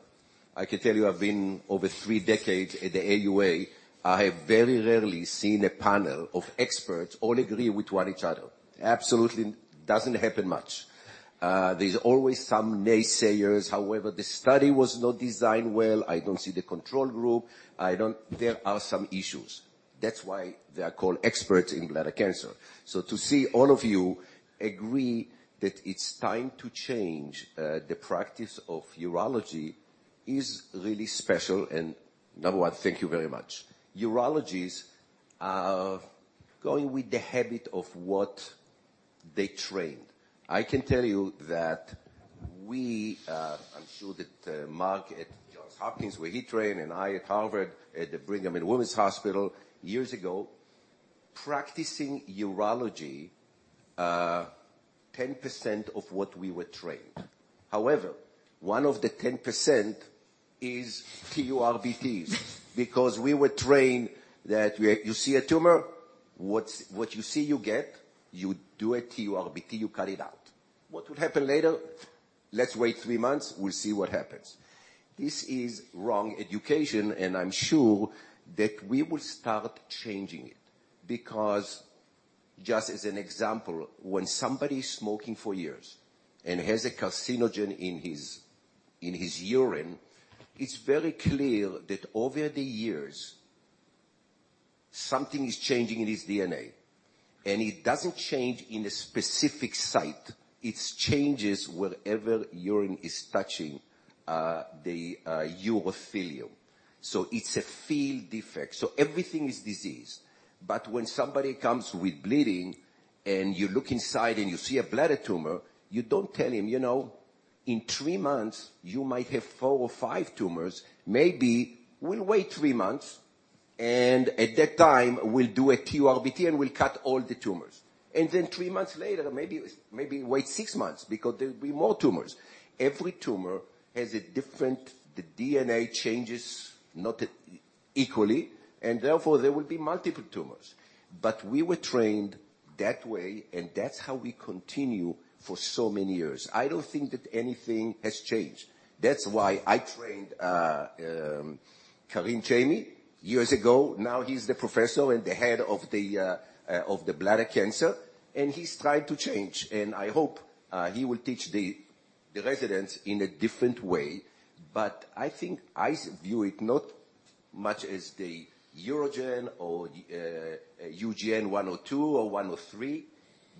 S13: I can tell you, I've been over three decades at the AUA, I have very rarely seen a panel of experts all agree with one each other. Absolutely doesn't happen much. There's always some naysayers: "However, the study was not designed well. I don't see the control group. I don't. There are some issues." That's why they are called experts in bladder cancer. To see all of you agree that it's time to change the practice of urology is really special, and number one, thank you very much. Urologists are going with the habit of what they trained. I can tell you that I'm sure that Mark at Johns Hopkins, where he trained, and I at Harvard, at the Brigham and Women's Hospital, years ago, practicing urology, 10% of what we were trained. One of the 10% is TURBTs. We were trained that you see a tumor, what's, what you see, you get, you do a TURBT, you cut it out. What would happen later? Let's wait three months. We'll see what happens. This is wrong education. I'm sure that we will start changing it, because just as an example, when somebody is smoking for years and has a carcinogen in his urine, it's very clear that over the years, something is changing in his DNA, and it doesn't change in a specific site. It changes wherever urine is touching the urothelium. It's a field defect, so everything is diseased. When somebody comes with bleeding and you look inside and you see a bladder tumor, you don't tell him, "You know, in three months, you might have four or five tumors. Maybe we'll wait three months, and at that time, we'll do a TURBT, and we'll cut all the tumors. Then three months later, maybe wait six months because there will be more tumors." Every tumor has a different... The DNA changes not equally, therefore, there will be multiple tumors. We were trained that way, and that's how we continue for so many years. I don't think that anything has changed. That's why I trained Karim Chamie years ago. Now he's the professor and the head of the bladder cancer, and he's tried to change, and I hope he will teach the residents in a different way. I think I view it not much as the UroGen or UGN-102 or UGN-103.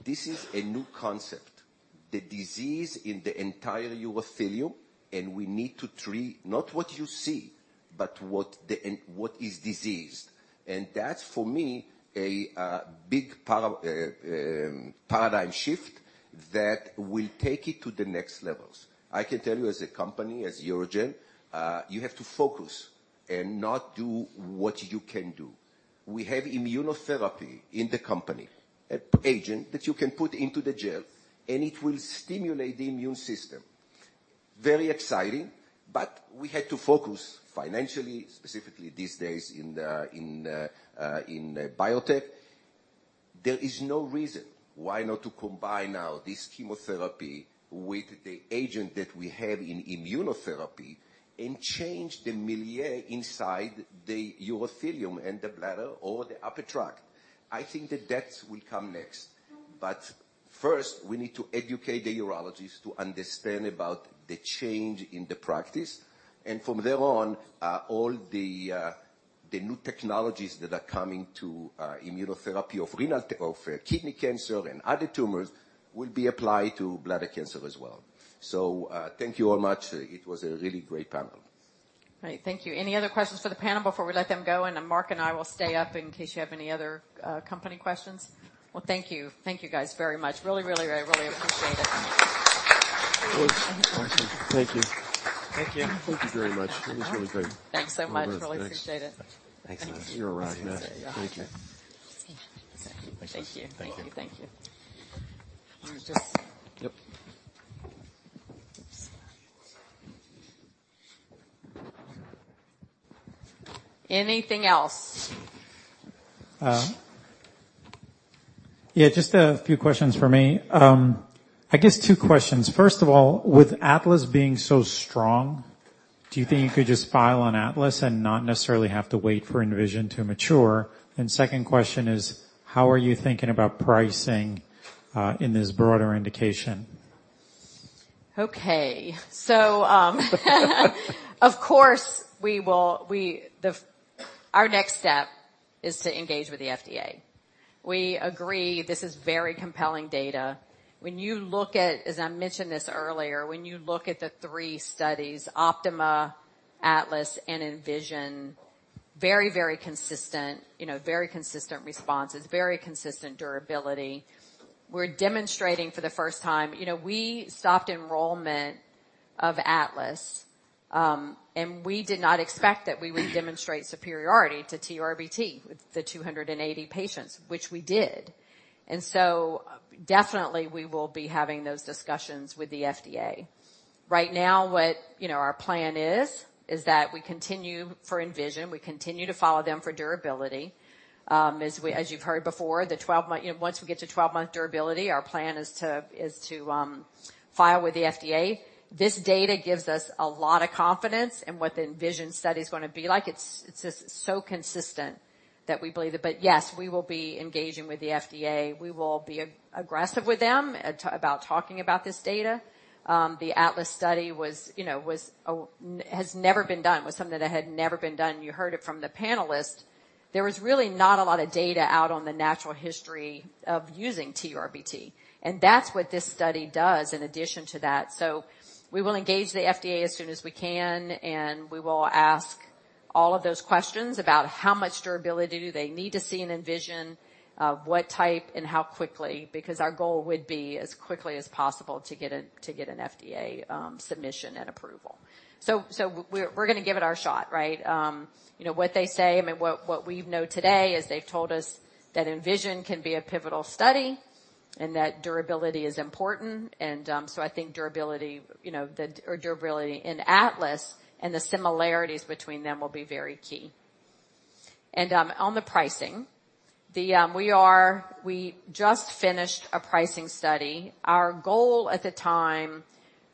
S13: This is a new concept, the disease in the entire urothelium, and we need to treat not what you see, but what the, and what is diseased. That's, for me, a big paradigm shift that will take it to the next levels. I can tell you, as a company, as UroGen, you have to focus and not do what you can do. We have immunotherapy in the company, a agent that you can put into the gel, and it will stimulate the immune system. Very exciting, but we had to focus financially, specifically these days in the, in the biotech. There is no reason why not to combine now this chemotherapy with the agent that we have in immunotherapy and change the milieu inside the urothelium and the bladder or the upper tract. I think that that will come next, but first, we need to educate the urologists to understand about the change in the practice, and from there on, all the new technologies that are coming.... immunotherapy of renal, of kidney cancer and other tumors will be applied to bladder cancer as well. Thank you all much. It was a really great panel.
S2: Right. Thank you. Any other questions for the panel before we let them go? Mark and I will stay up in case you have any other company questions. Thank you. Thank you, guys, very much. Really, really, really, really appreciate it.
S8: It was awesome. Thank you. Thank you.
S10: Thank you very much. It was really great.
S2: Thanks so much. Really appreciate it.
S8: Thanks. You're rock, man. Thank you.
S2: Thank you.
S8: Yep.
S2: Oops. Anything else?
S8: Yeah, just a few questions for me. I guess two questions. First of all, with ATLAS being so strong, do you think you could just file on ATLAS and not necessarily have to wait for ENVISION to mature? Second question is, how are you thinking about pricing, in this broader indication?
S2: Okay. Of course, our next step is to engage with the FDA. We agree this is very compelling data. When you look at, as I mentioned this earlier, when you look at the three studies, OPTIMA, ATLAS, and ENVISION, very, very consistent, you know, very consistent responses, very consistent durability. We're demonstrating for the first time. You know, we stopped enrollment of ATLAS, and we did not expect that we would demonstrate superiority to TURBT with the 280 patients, which we did. Definitely, we will be having those discussions with the FDA. Right now, what our plan is, is that we continue for ENVISION, we continue to follow them for durability. As you've heard before, once we get to 12-month durability, our plan is to file with the FDA. This data gives us a lot of confidence in what the ENVISION study is gonna be like. It's just so consistent that we believe it. Yes, we will be engaging with the FDA. We will be aggressive with them about talking about this data. The ATLAS study was, you know, something that had never been done. You heard it from the panelist. There was really not a lot of data out on the natural history of using TURBT, that's what this study does in addition to that. We will engage the FDA as soon as we can, and we will ask all of those questions about how much durability do they need to see in ENVISION, what type and how quickly, because our goal would be as quickly as possible to get an FDA submission and approval. We're gonna give it our shot, right? You know what they say, I mean, what we know today is they've told us that ENVISION can be a pivotal study and that durability is important. I think durability, you know, or durability in ATLAS and the similarities between them will be very key. On the pricing, we just finished a pricing study. Our goal at the time,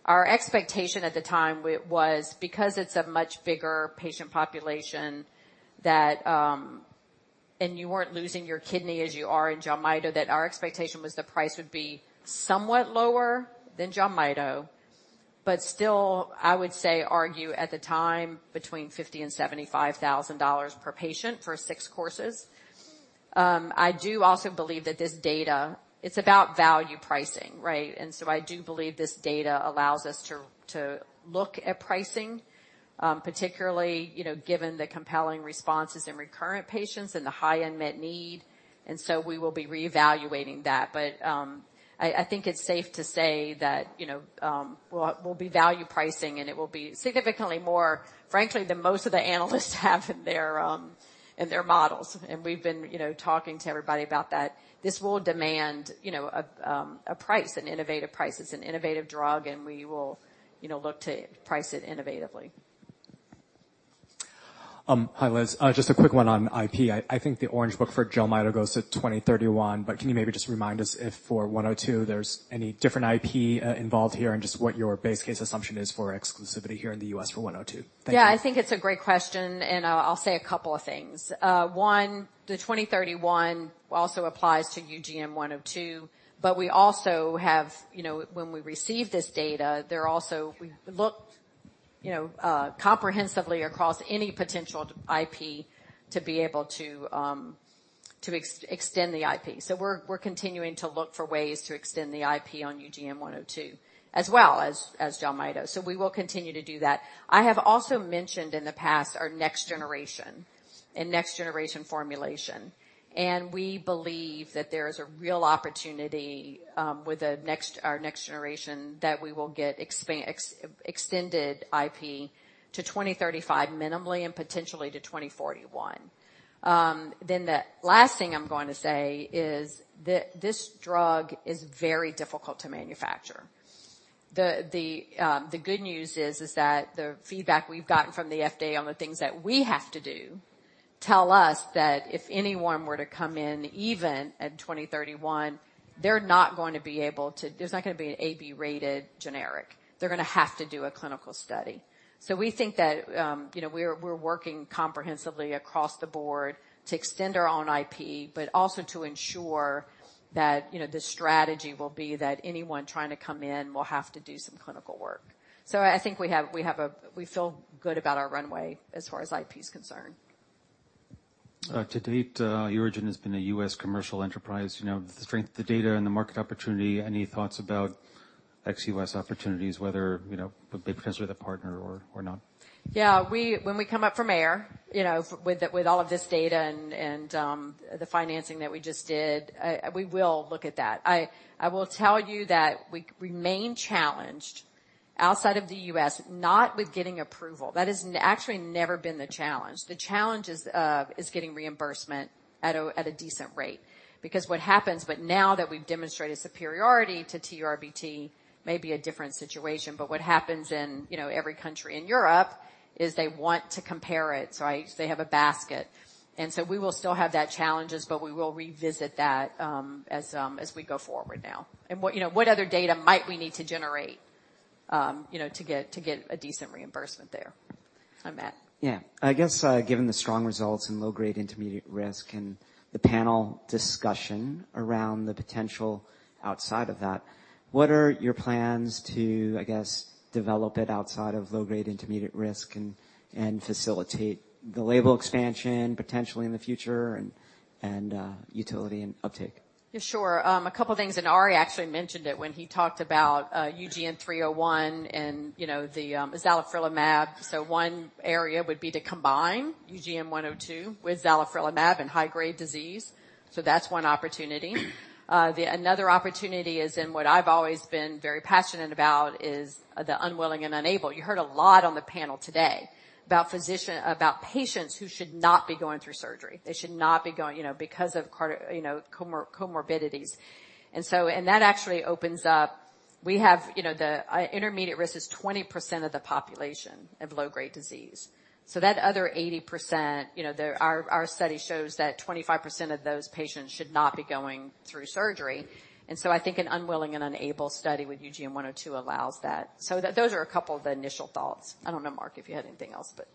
S2: our expectation at the time was because it's a much bigger patient population, that you weren't losing your kidney as you are in JELMYTO, that our expectation was the price would be somewhat lower than JELMYTO, but still, I would say, argue at the time, between $50,000-$75,000 per patient for six courses. I do also believe that this data, it's about value pricing, right? I do believe this data allows us to look at pricing, particularly, you know, given the compelling responses in recurrent patients and the high unmet need, we will be reevaluating that. I think it's safe to say that, you know, we'll be value pricing. It will be significantly more, frankly, than most of the analysts have in their models. We've been, you know, talking to everybody about that. This will demand, you know, a price, an innovative price. It's an innovative drug. We will, you know, look to price it innovatively.
S9: Hi, Liz. Just a quick one on IP. I think the Orange Book for JELMYTO goes to 2031. Can you maybe just remind us if for UGN-102, there's any different IP involved here and just what your base case assumption is for exclusivity here in the U.S. for UGN-102? Thank you.
S2: Yeah, I think it's a great question. I'll say a couple of things. One, the 2031 also applies to UGN-102, we also have. You know, when we received this data, we looked, you know, comprehensively across any potential IP to be able to extend the IP. We're continuing to look for ways to extend the IP on UGN-102, as well as JELMYTO. We will continue to do that. I have also mentioned in the past our next generation and next-generation formulation, we believe that there is a real opportunity with the next, our next generation, that we will get extended IP to 2035 minimally, potentially to 2041. The last thing I'm going to say is that this drug is very difficult to manufacture. The good news is that the feedback we've gotten from the FDA on the things that we have to do tell us that if anyone were to come in, even at 2031, they're not going to be able to. There's not gonna be an AB-rated generic. They're gonna have to do a clinical study. We think that, you know, we're working comprehensively across the board to extend our own IP, but also to ensure that, you know, the strategy will be that anyone trying to come in will have to do some clinical work. I think we have, we feel good about our runway as far as IP is concerned.
S12: To date, UroGen has been a U.S. commercial enterprise. You know, the strength of the data and the market opportunity, any thoughts about ex-U.S. opportunities, whether, you know, potentially with a partner or, or not?
S2: Yeah, when we come up for air, you know, with all of this data and the financing that we just did, we will look at that. I will tell you that we remain challenged outside of the US, not with getting approval. That has actually never been the challenge. The challenge is getting reimbursement at a decent rate. Because what happens, but now that we've demonstrated superiority to TURBT, may be a different situation, but what happens in, you know, every country in Europe, is they want to compare it, right? They have a basket. So we will still have that challenges, but we will revisit that as we go forward now. What, you know, what other data might we need to generate, you know, to get a decent reimbursement there? Hi, Matt.
S14: Yeah. I guess, given the strong results in low-grade intermediate-risk and the panel discussion around the potential outside of that, what are your plans to, I guess, develop it outside of low-grade intermediate-risk and facilitate the label expansion, potentially in the future, and utility and uptake?
S2: Yeah, sure. A couple things, and Arie actually mentioned it when he talked about UGN-301 and, you know, the zalifrelimab. One area would be to combine UGN-102 with zalifrelimab in high-grade disease, so that's one opportunity. Another opportunity is, and what I've always been very passionate about, is the unwilling and unable. You heard a lot on the panel today about patients who should not be going through surgery. They should not be going, you know, because of, you know, comorbidities. That actually opens up... We have, you know, the intermediate risk is 20% of the population of low-grade disease. That other 80%, you know, our study shows that 25% of those patients should not be going through surgery. I think an unwilling and unable study with UGN-102 allows that. Those are a couple of the initial thoughts. I don't know, Mark, if you had anything else, but.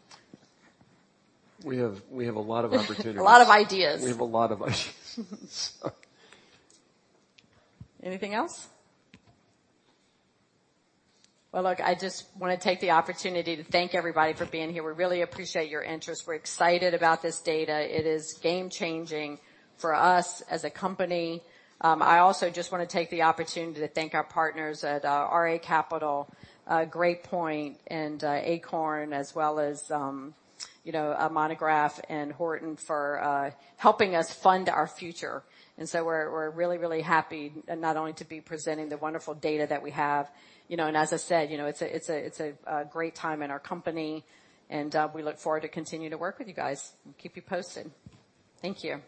S13: We have a lot of opportunities.
S2: A lot of ideas.
S13: We have a lot of ideas.
S2: Anything else? Well, look, I just want to take the opportunity to thank everybody for being here. We really appreciate your interest. We're excited about this data. It is game-changing for us as a company. I also just want to take the opportunity to thank our partners at RA Capital, Great Point, and Acorn, as well as, you know, Monograph and Horton for helping us fund our future. We're really, really happy, not only to be presenting the wonderful data that we have. You know, and as I said, you know, it's a, it's a great time in our company, and we look forward to continue to work with you guys. We'll keep you posted. Thank you.